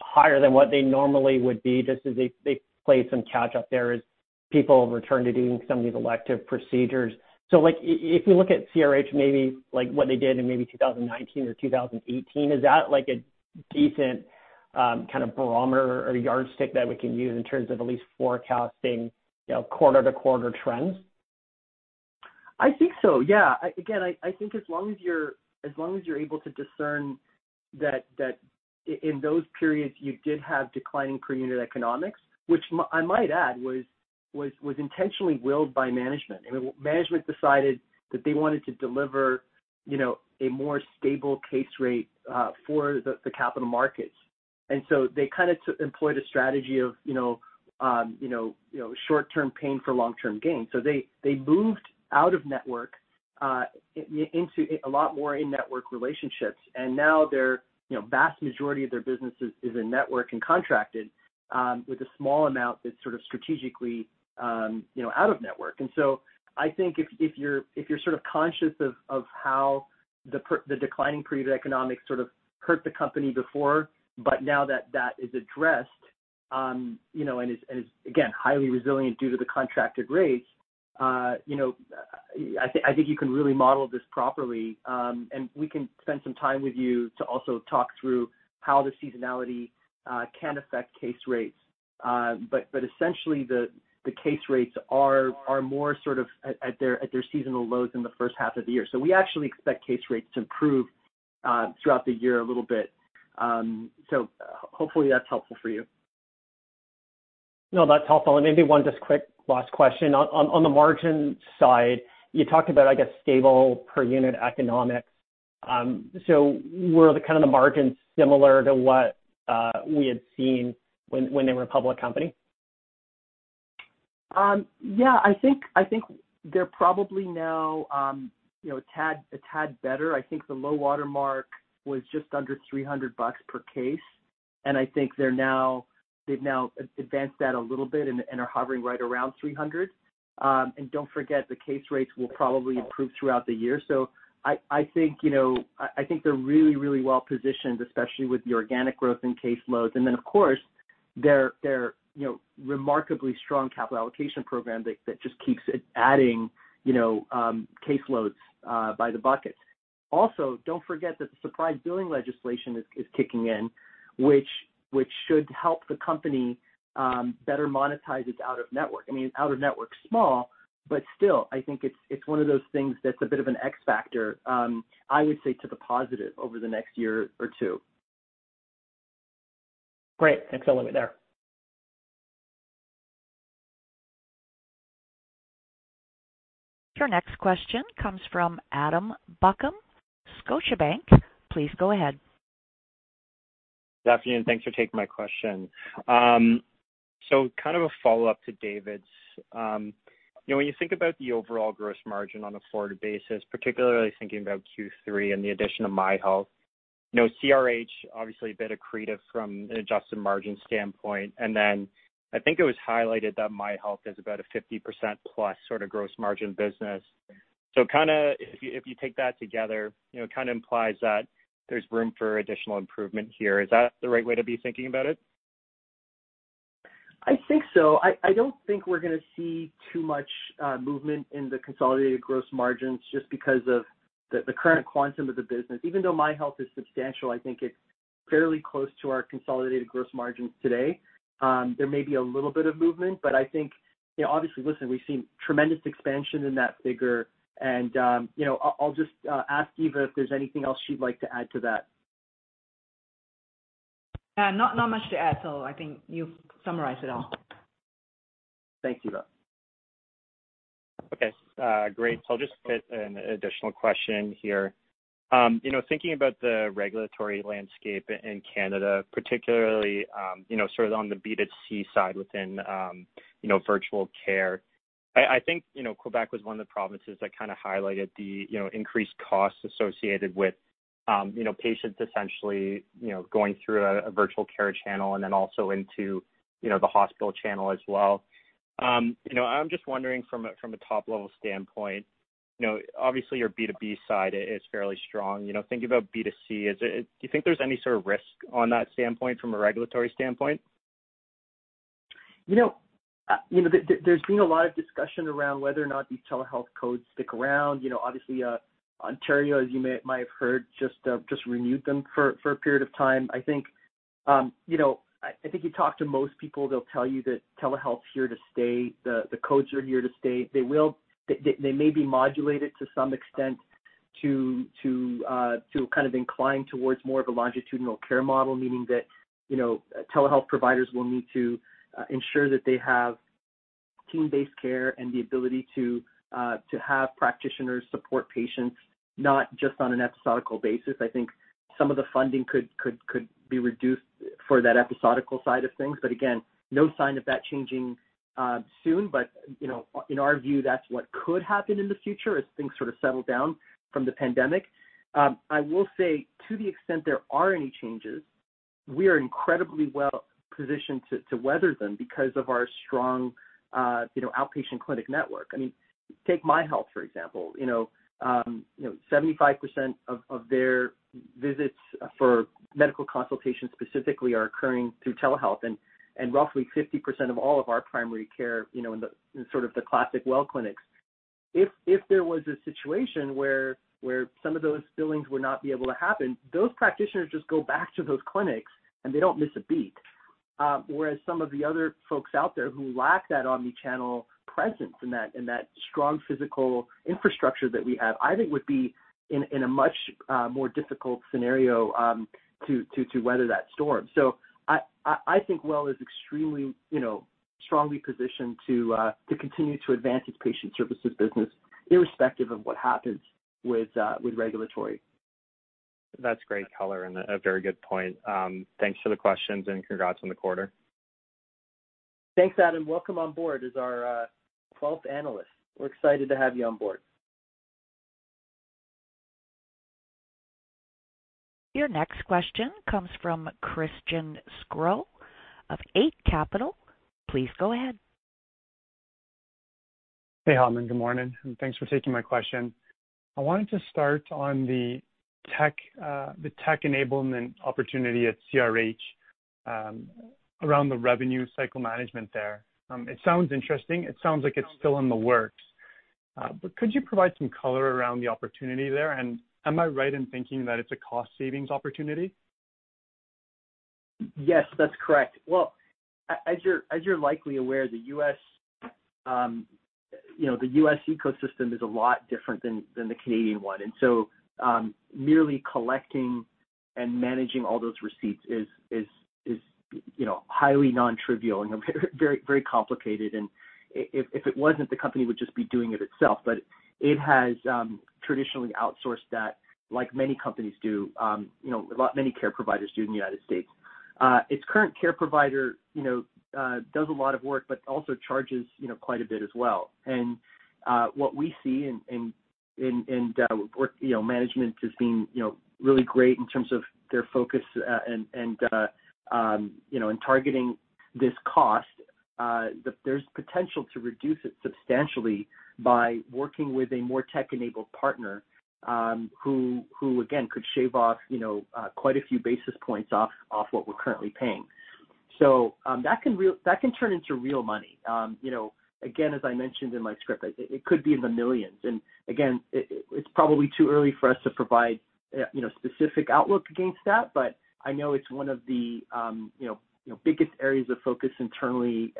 higher than what they normally would be just as they played some catch up there as people returned to doing some of these elective procedures. If we look at CRH maybe what they did in maybe 2019 or 2018, is that a decent kind of barometer or yardstick that we can use in terms of at least forecasting quarter-to-quarter trends? I think so, yeah. Again, I think as long as you're able to discern that in those periods you did have declining per unit economics, which I might add was intentionally willed by management. I mean, management decided that they wanted to deliver a more stable case rate for the capital markets. They kind of employed a strategy of short-term pain for long-term gain. They moved out of network, into a lot more in-network relationships. Now vast majority of their business is in-network and contracted, with a small amount that's sort of strategically out of network. I think if you're sort of conscious of how the declining per unit economics sort of hurt the company before, but now that is addressed, and is again, highly resilient due to the contracted rates, I think you can really model this properly. We can spend some time with you to also talk through how the seasonality can affect case rates. Essentially the case rates are more sort of at their seasonal lows in the first half of the year. We actually expect case rates to improve throughout the year a little bit. Hopefully that's helpful for you. No, that's helpful. Maybe one just quick last question. On the margin side, you talked about, I guess, stable per unit economics. Were the kind of the margins similar to what we had seen when they were a public company? Yeah, I think they're probably now a tad better. I think the low water mark was just under 300 bucks per case, and I think they've now advanced that a little bit and are hovering right around 300. Don't forget, the case rates will probably improve throughout the year. I think they're really well positioned, especially with the organic growth in case loads. Of course, their remarkably strong capital allocation program that just keeps adding caseloads by the bucket. Also, don't forget that the surprise billing legislation is kicking in, which should help the company better monetize its out-of-network. I mean, out-of-network's small, but still, I think it's one of those things that's a bit of an X factor, I would say to the positive over the next year or two. Great. Thanks a lot Hamed there. Your next question comes from Adam Buckham, Scotiabank. Please go ahead. Good afternoon. Thanks for taking my question. Kind of a follow-up to David's. When you think about the overall gross margin on a forward basis, particularly thinking about Q3 and the addition of MyHealth, CRH, obviously a bit accretive from an adjusted margin standpoint, and then I think it was highlighted that MyHealth is about a 50%+ sort of gross margin business. If you take that together, it kind of implies that there's room for additional improvement here. Is that the right way to be thinking about it? I think so. I don't think we're going to see too much movement in the consolidated gross margins just because of the current quantum of the business. Even though MyHealth is substantial, I think it's fairly close to our consolidated gross margins today. There may be a little bit of movement, but I think, obviously, listen, we've seen tremendous expansion in that figure, and I'll just ask Eva if there's anything else she'd like to add to that. Not much to add. I think you've summarized it all. Thanks, Eva. Okay, great. I'll just fit an additional question here. Thinking about the regulatory landscape in Canada, particularly sort of on the B2C side within virtual care. I think Quebec was one of the provinces that kind of highlighted the increased costs associated with patients essentially going through a virtual care channel and then also into the hospital channel as well. I'm just wondering from a top-level standpoint, obviously your B2B side is fairly strong. Thinking about B2C, do you think there is any sort of risk on that standpoint from a regulatory standpoint? There's been a lot of discussion around whether or not these telehealth codes stick around. Obviously, Ontario, as you might have heard, just renewed them for a period of time. I think you talk to most people, they'll tell you that telehealth's here to stay. The codes are here to stay. They may be modulated to some extent to kind of incline towards more of a longitudinal care model, meaning that telehealth providers will need to ensure that they have team-based care and the ability to have practitioners support patients, not just on an episodical basis. I think some of the funding could be reduced for that episodical side of things, again, no sign of that changing soon. In our view, that's what could happen in the future as things sort of settle down from the pandemic. I will say, to the extent there are any changes, we are incredibly well-positioned to weather them because of our strong outpatient clinic network. Take MyHealth, for example. 75% of their visits for medical consultations specifically are occurring through telehealth, and roughly 50% of all of our primary care, in sort of the classic WELL clinics. If there was a situation where some of those billings would not be able to happen, those practitioners just go back to those clinics and they don't miss a beat. Whereas some of the other folks out there who lack that omni-channel presence and that strong physical infrastructure that we have, I think would be in a much more difficult scenario to weather that storm. I think WELL is extremely strongly positioned to continue to advance its patient services business irrespective of what happens with regulatory. That's great color and a very good point. Thanks for the questions and congrats on the quarter. Thanks, Adam. Welcome on board as our 12th analyst. We're excited to have you on board. Your next question comes from Christian Sgro of Eight Capital. Please go ahead. Hey, Hamed Shahbazi. Good morning, thanks for taking my question. I wanted to start on the tech enablement opportunity at CRH, around the revenue cycle management there. It sounds interesting. It sounds like it's still in the works. Could you provide some color around the opportunity there? Am I right in thinking that it's a cost savings opportunity? Yes, that's correct. Well, as you're likely aware, the U.S. ecosystem is a lot different than the Canadian one. Merely collecting and managing all those receipts is highly non-trivial and very complicated. If it wasn't, the company would just be doing it itself. It has traditionally outsourced that, like many companies do, like many care providers do in the United States. Its current care provider does a lot of work, but also charges quite a bit as well. What we see, and management has been really great in terms of their focus and in targeting this cost, there's potential to reduce it substantially by working with a more tech-enabled partner, who again, could shave off quite a few basis points off what we're currently paying. That can turn into real money. Again, as I mentioned in my script, it could be in the millions. Again, it's probably too early for us to provide specific outlook against that. I know it's one of the biggest areas of focus internally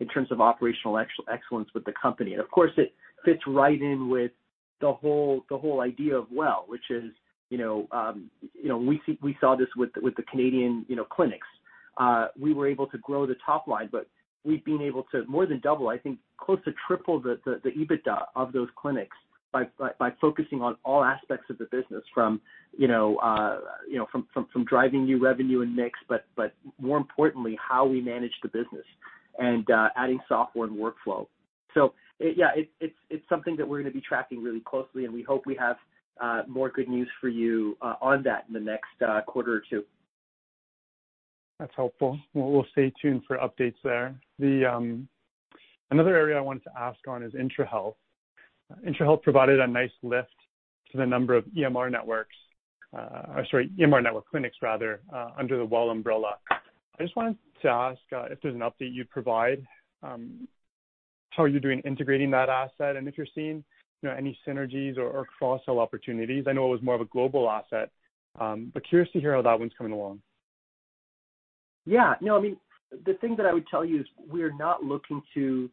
in terms of operational excellence with the company. Of course, it fits right in with the whole idea of WELL Health, which is, we saw this with the Canadian clinics. We were able to grow the top line, but we've been able to more than double, I think close to triple the EBITDA of those clinics by focusing on all aspects of the business from driving new revenue and mix, but more importantly, how we manage the business and adding software and workflow. Yeah, it's something that we're going to be tracking really closely, and we hope we have more good news for you on that in the next quarter or two. That's helpful. We'll stay tuned for updates there. Another area I wanted to ask on is Intrahealth. Intrahealth provided a nice lift to the number of EMR networks, or sorry, EMR network clinics rather, under the WELL umbrella. I just wanted to ask if there's an update you'd provide. How are you doing integrating that asset? If you're seeing any synergies or cross-sell opportunities. I know it was more of a global asset, but curious to hear how that one's coming along. The thing that I would tell you is we're not looking to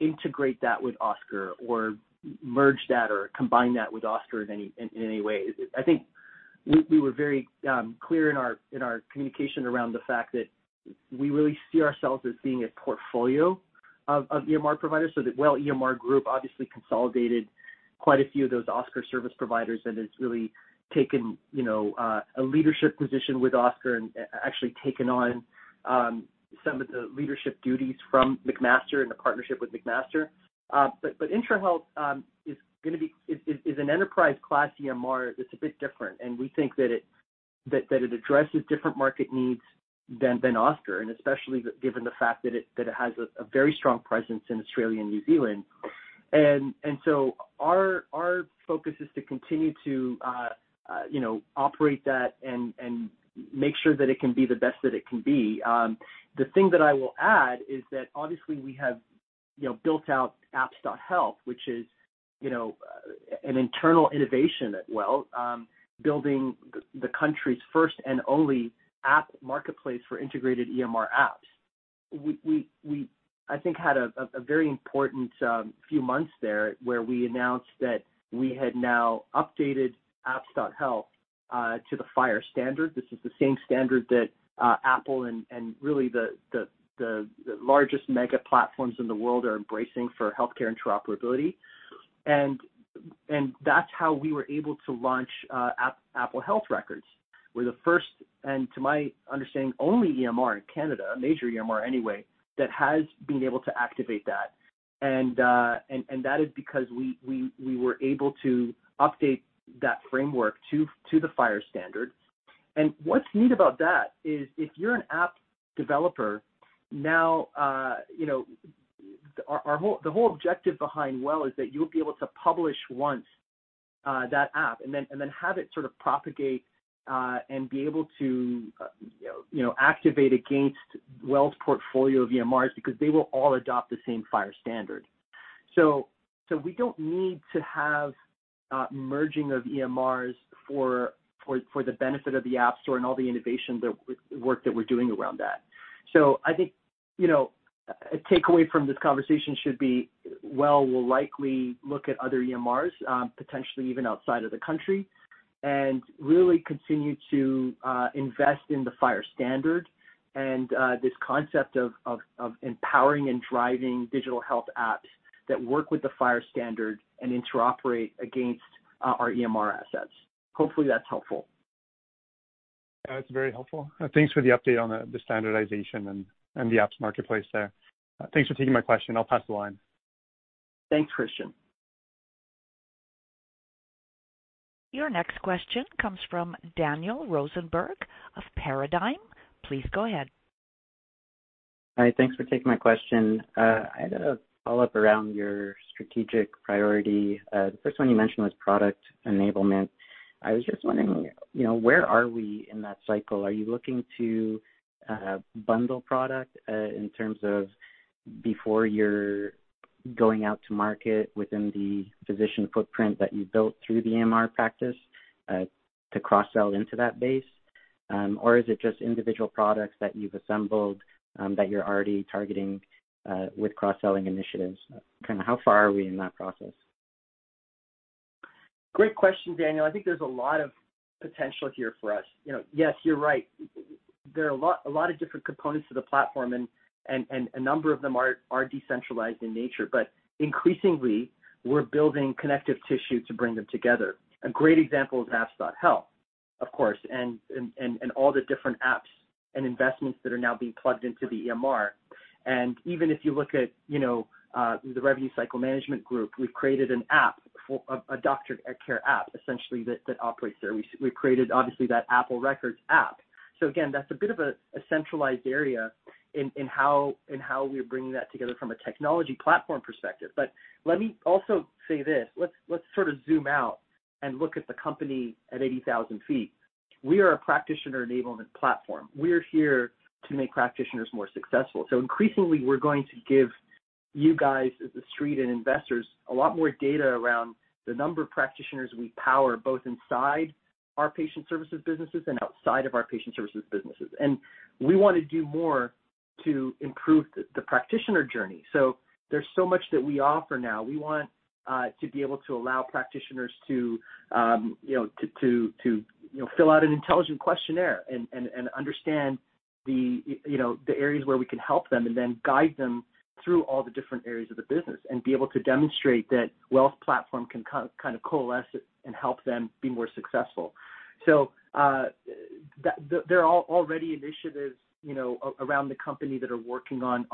integrate that with OSCAR or merge that or combine that with OSCAR in any way. I think we were very clear in our communication around the fact that we really see ourselves as being a portfolio of EMR providers, so that WELL EMR Group obviously consolidated quite a few of those OSCAR service providers and has really taken a leadership position with OSCAR and actually taken on some of the leadership duties from McMaster and the partnership with McMaster. Intrahealth is an enterprise class EMR that's a bit different, and we think that it addresses different market needs than OSCAR, and especially given the fact that it has a very strong presence in Australia and New Zealand. Our focus is to continue to operate that and make sure that it can be the best that it can be. The thing that I will add is that obviously we have built out apps.health, which is an internal innovation at WELL, building the country's first and only app marketplace for integrated EMR apps. We, I think, had a very important few months there where we announced that we had now updated apps.health to the FHIR standard. This is the same standard that Apple and really the largest mega platforms in the world are embracing for healthcare interoperability. That's how we were able to launch Apple Health Records. We're the first, and to my understanding, only EMR in Canada, a major EMR anyway, that has been able to activate that. That is because we were able to update that framework to the FHIR standard. What's neat about that is if you're an app developer now, the whole objective behind WELL is that you'll be able to publish once that app, and then have it sort of propagate, and be able to activate against WELL's portfolio of EMRs, because they will all adopt the same FHIR standard. We don't need to have merging of EMRs for the benefit of the App Store and all the innovation work that we're doing around that. I think, a takeaway from this conversation should be WELL will likely look at other EMRs, potentially even outside of the country, and really continue to invest in the FHIR standard and this concept of empowering and driving digital health apps that work with the FHIR standard and interoperate against our EMR assets. Hopefully, that's helpful. That's very helpful. Thanks for the update on the standardization and the apps marketplace there. Thanks for taking my question. I'll pass the line. Thanks, Christian. Your next question comes from Daniel Rosenberg of Paradigm. Please go ahead. Hi. Thanks for taking my question. I had a follow-up around your strategic priority. The first one you mentioned was product enablement. I was just wondering, where are we in that cycle? Are you looking to bundle product, in terms of before you're going out to market within the physician footprint that you built through the EMR practice, to cross-sell into that base? Or is it just individual products that you've assembled, that you're already targeting, with cross-selling initiatives? Kind of how far are we in that process? Great question, Daniel. I think there's a lot of potential here for us. Yes, you're right. There are a lot of different components to the platform and a number of them are decentralized in nature. Increasingly, we're building connective tissue to bring them together. A great example is apps.health, of course, and all the different apps and investments that are now being plugged into the EMR. Even if you look at the revenue cycle management group, we've created an app, a DoctorCare app, essentially, that operates there. We've created, obviously, that Apple Health Records app. Again, that's a bit of a centralized area in how we're bringing that together from a technology platform perspective. Let me also say this. Let's sort of zoom out and look at the company at 80,000 feet. We are a practitioner enablement platform. We're here to make practitioners more successful. Increasingly, we're going to give you guys, as the Street and investors, a lot more data around the number of practitioners we power, both inside our patient services businesses and outside of our patient services businesses. We want to do more to improve the practitioner journey. There's so much that we offer now. We want to be able to allow practitioners to fill out an intelligent questionnaire and understand the areas where we can help them, and then guide them through all the different areas of the business and be able to demonstrate that WELL's platform can kind of coalesce it and help them be more successful. There are already initiatives around the company that are working on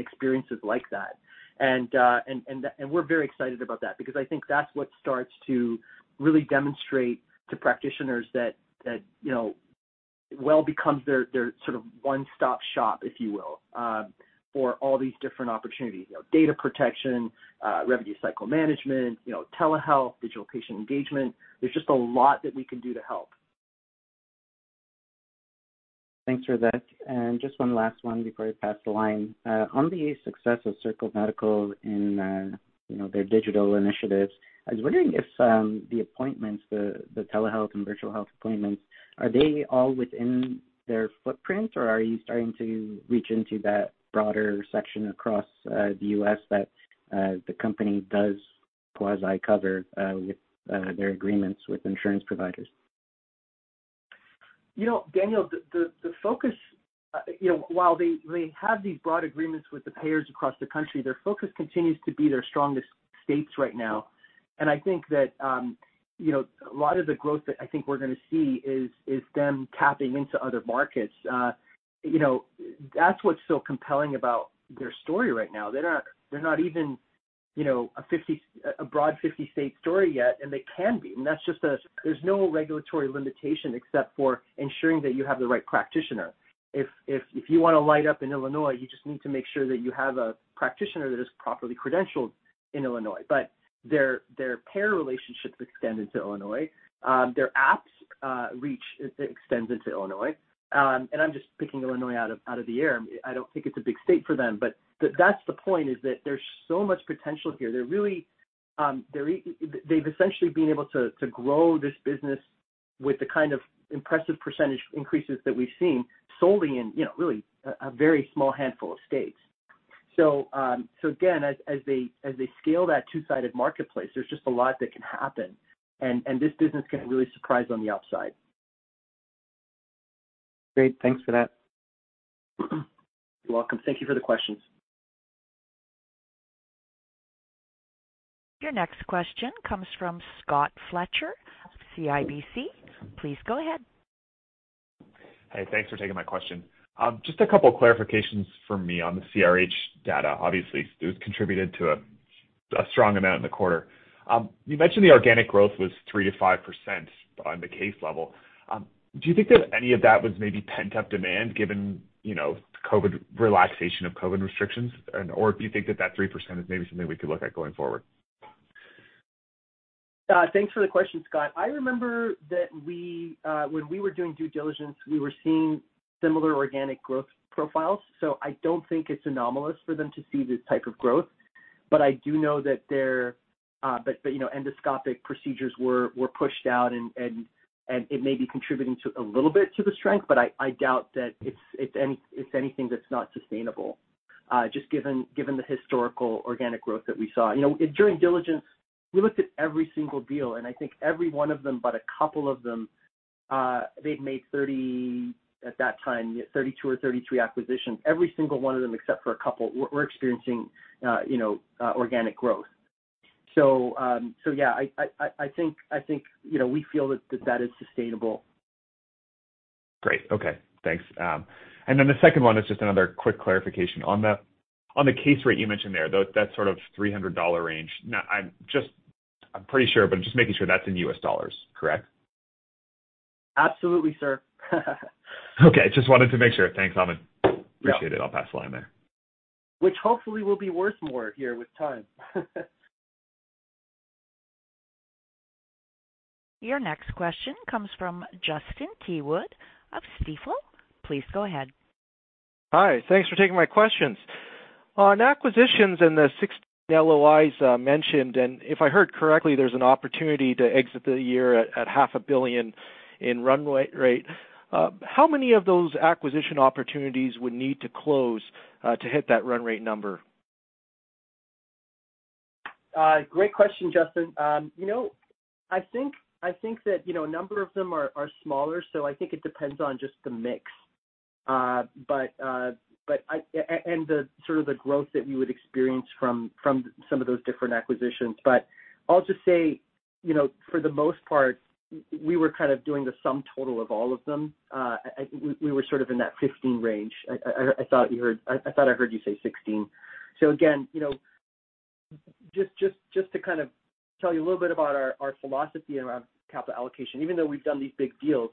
experiences like that. We're very excited about that because I think that's what starts to really demonstrate to practitioners that WELL becomes their sort of one-stop shop, if you will, for all these different opportunities. Data protection, revenue cycle management, telehealth, digital patient engagement. There's just a lot that we can do to help. Thanks for that. Just one last one before I pass the line. On the success of Circle Medical in their digital initiatives, I was wondering if the appointments, the telehealth and virtual health appointments, are they all within their footprint, or are you starting to reach into that broader section across the U.S. that the company does quasi cover, with their agreements with insurance providers? Daniel, while they have these broad agreements with the payers across the country, their focus continues to be their strongest states right now. I think that a lot of the growth that I think we're going to see is them tapping into other markets. That's what's so compelling about their story right now. They're not even a broad 50-state story yet, and they can be, and there's no regulatory limitation except for ensuring that you have the right practitioner. If you want to light up in Illinois, you just need to make sure that you have a practitioner that is properly credentialed in Illinois. Their payer relationships extend into Illinois. Their apps' reach extends into Illinois. I'm just picking Illinois out of the air. I don't think it's a big state for them, but that's the point, is that there's so much potential here. They've essentially been able to grow this business with the kind of impressive percentage increases that we've seen solely in really a very small handful of states. Again, as they scale that two-sided marketplace, there's just a lot that can happen, and this business can really surprise on the upside. Great. Thanks for that. You're welcome. Thank you for the questions. Your next question comes from Scott Fletcher of CIBC. Please go ahead. Hey, thanks for taking my question. Just a couple clarifications from me on the CRH data. Obviously, it has contributed to a strong amount in the quarter. You mentioned the organic growth was 3%-5% on the case level. Do you think that any of that was maybe pent-up demand given relaxation of COVID restrictions? Do you think that that 3% is maybe something we could look at going forward? Thanks for the question, Scott. I remember that when we were doing due diligence, we were seeing similar organic growth profiles. I don't think it's anomalous for them to see this type of growth, but I do know that their endoscopic procedures were pushed out, and it may be contributing a little bit to the strength, but I doubt that it's anything that's not sustainable, just given the historical organic growth that we saw. During diligence, we looked at every single deal, and I think every one of them but a couple of them, they'd made, at that time, 32 or 33 acquisitions. Every single one of them except for a couple were experiencing organic growth. Yeah, I think we feel that that is sustainable. Great. Okay. Thanks. The second one is just another quick clarification. On the case rate you mentioned there, that sort of $300 range. Now, I'm pretty sure, but I'm just making sure, that's in U.S. dollars, correct? Absolutely, sir. Okay. Just wanted to make sure. Thanks, Hamed. Yeah. Appreciate it. I'll pass the line there. Which hopefully will be worth more here with time. Your next question comes from Justin Keywood of Stifel. Please go ahead. Hi. Thanks for taking my questions. On acquisitions and the 16 LOIs mentioned, if I heard correctly, there's an opportunity to exit the year at half a billion in run rate. How many of those acquisition opportunities would need to close to hit that run rate number? Great question, Justin. I think that a number of them are smaller, so I think it depends on just the mix and the growth that you would experience from some of those different acquisitions. I'll just say, for the most part, we were doing the sum total of all of them. We were sort of in that 15 range. I thought I heard you say 16. Again, just to tell you a little bit about our philosophy around capital allocation, even though we've done these big deals,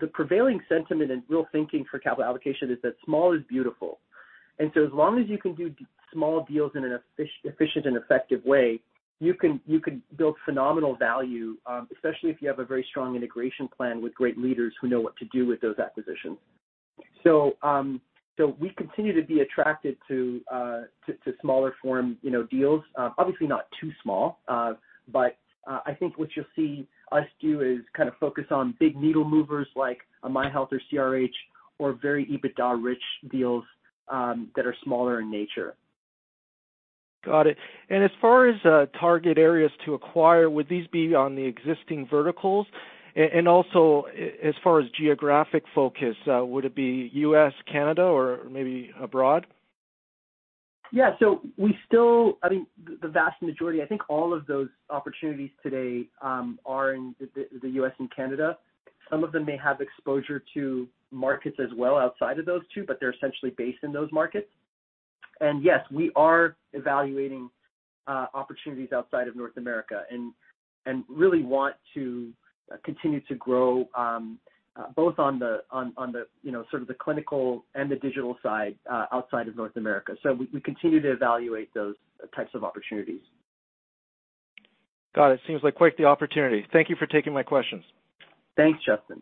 the prevailing sentiment and real thinking for capital allocation is that small is beautiful. As long as you can do small deals in an efficient and effective way, you can build phenomenal value, especially if you have a very strong integration plan with great leaders who know what to do with those acquisitions. We continue to be attracted to smaller form deals. Obviously not too small, but I think what you'll see us do is focus on big needle movers like a MyHealth or CRH or very EBITDA-rich deals that are smaller in nature. Got it. As far as target areas to acquire, would these be on the existing verticals? Also, as far as geographic focus, would it be U.S., Canada, or maybe abroad? Yeah. I mean, the vast majority, I think all of those opportunities today are in the U.S. and Canada. Some of them may have exposure to markets as well outside of those two, but they're essentially based in those markets. Yes, we are evaluating opportunities outside of North America and really want to continue to grow both on the clinical and the digital side outside of North America. We continue to evaluate those types of opportunities. Got it. Seems like quite the opportunity. Thank you for taking my questions. Thanks, Justin.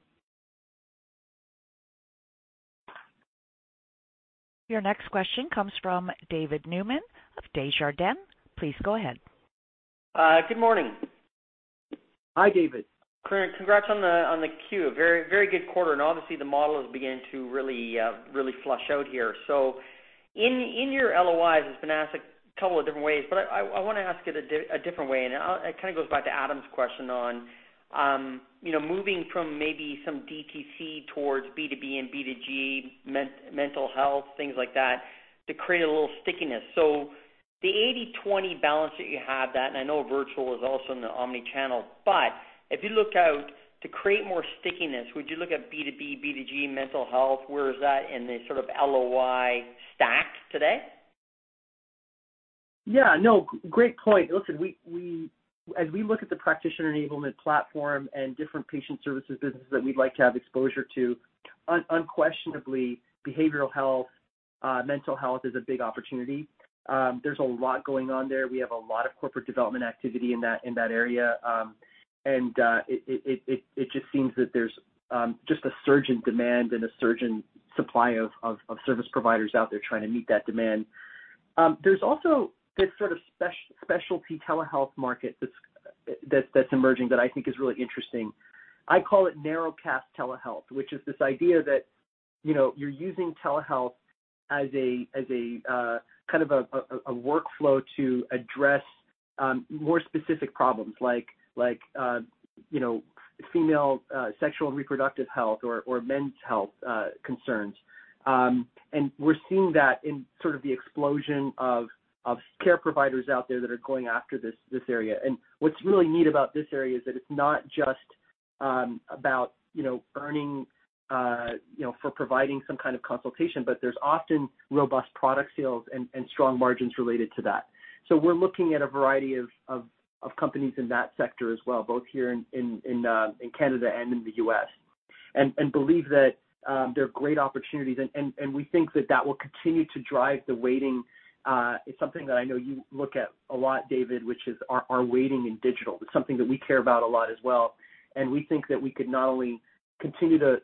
Your next question comes from David Newman of Desjardins. Please go ahead. Good morning. Hi, David. Congrats on the Q. Very good quarter, obviously the model has begun to really flush out here. In your LOIs, it's been asked a couple of different ways, but I want to ask it a different way, and it kind of goes back to Adam's question on moving from maybe some DTC towards B2B and B2G, mental health, things like that, to create a little stickiness. The 80/20 balance that you have that, and I know virtual is also in the omni-channel, but if you look out to create more stickiness, would you look at B2B, B2G, mental health? Where is that in the sort of LOI stacks today? Yeah. No, great point. Listen, as we look at the practitioner enablement platform and different patient services businesses that we'd like to have exposure to, unquestionably behavioral health, mental health is a big opportunity. There's a lot going on there. It just seems that there's just a surge in demand and a surge in supply of service providers out there trying to meet that demand. There's also this sort of specialty telehealth market that's emerging that I think is really interesting. I call it narrowcast telehealth, which is this idea that you're using telehealth as a workflow to address more specific problems like female sexual and reproductive health or men's health concerns. We're seeing that in the explosion of care providers out there that are going after this area. What's really neat about this area is that it's not just about earning for providing some kind of consultation, but there's often robust product sales and strong margins related to that. We're looking at a variety of companies in that sector as well, both here in Canada and in the U.S., and believe that there are great opportunities, and we think that that will continue to drive the weighting. It's something that I know you look at a lot, David, which is our weighting in digital. It's something that we care about a lot as well, and we think that we could not only continue to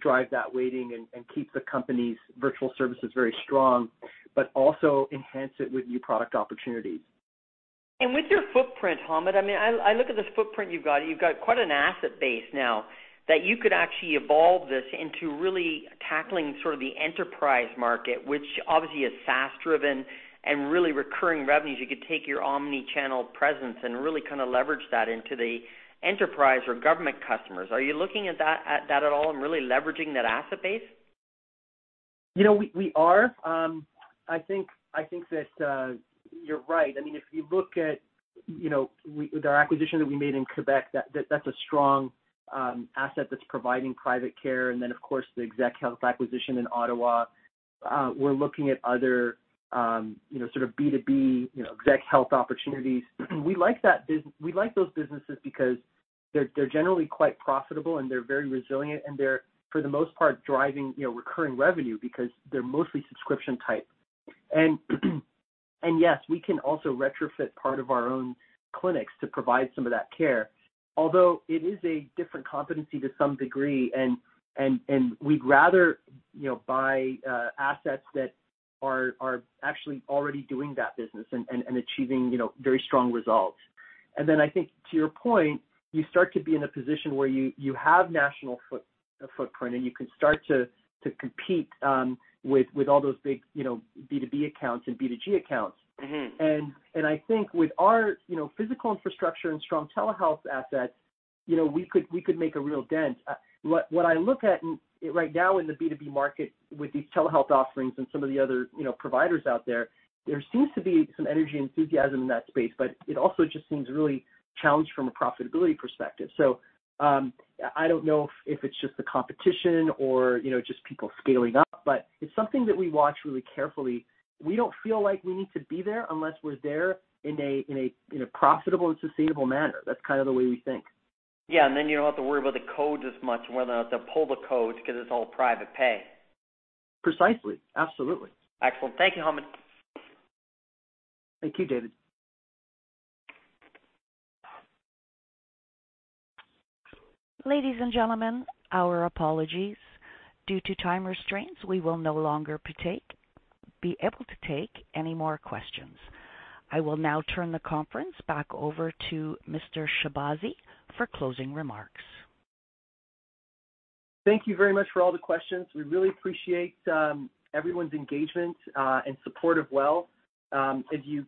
drive that weighting and keep the company's virtual services very strong, but also enhance it with new product opportunities. With your footprint, Hamed, I look at this footprint you've got. You've got quite an asset base now that you could actually evolve this into really tackling the enterprise market, which obviously is SaaS driven and really recurring revenues. You could take your omni-channel presence and really leverage that into the enterprise or government customers. Are you looking at that at all and really leveraging that asset base? We are. I think that you're right. If you look at with our acquisition that we made in Quebec, that's a strong asset that's providing private care. Of course, the ExecHealth acquisition in Ottawa. We're looking at other B2B ExecHealth opportunities. We like those businesses because they're generally quite profitable, and they're very resilient, and they're, for the most part, driving recurring revenue because they're mostly subscription type. Yes, we can also retrofit part of our own clinics to provide some of that care, although it is a different competency to some degree, and we'd rather buy assets that are actually already doing that business and achieving very strong results. I think to your point, you start to be in a position where you have national footprint and you can start to compete with all those big B2B accounts and B2G accounts. I think with our physical infrastructure and strong telehealth assets, we could make a real dent. What I look at right now in the B2B market with these telehealth offerings and some of the other providers out there seems to be some energy enthusiasm in that space, but it also just seems really challenged from a profitability perspective. I don't know if it's just the competition or just people scaling up, but it's something that we watch really carefully. We don't feel like we need to be there unless we're there in a profitable and sustainable manner. That's kind of the way we think. Yeah. You don't have to worry about the codes as much, whether or not they'll pull the codes because it's all private pay. Precisely. Absolutely. Excellent. Thank you, Hamed. Thank you, David. Ladies and gentlemen, our apologies. Due to time restraints, we will no longer be able to take any more questions. I will now turn the conference back over to Mr. Shahbazi for closing remarks. Thank you very much for all the questions. We really appreciate everyone's engagement and support of WELL. As you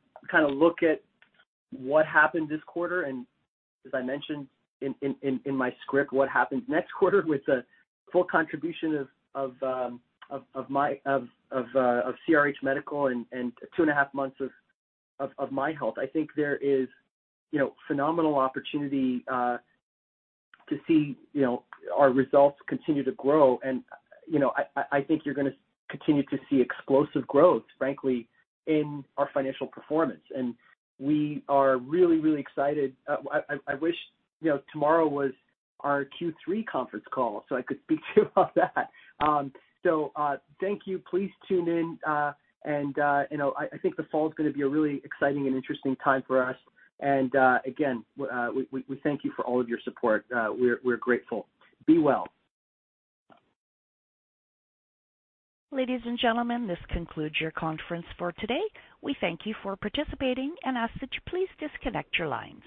look at what happened this quarter, as I mentioned in my script, what happens next quarter with the full contribution of CRH Medical and two and a half months of MyHealth, I think there is phenomenal opportunity to see our results continue to grow. I think you're going to continue to see explosive growth, frankly, in our financial performance. We are really, really excited. I wish tomorrow was our Q3 conference call so I could speak to you about that. Thank you. Please tune in, I think the fall is going to be a really exciting and interesting time for us. Again, we thank you for all of your support. We're grateful. Be well. Ladies and gentlemen, this concludes your conference for today. We thank you for participating and ask that you please disconnect your lines.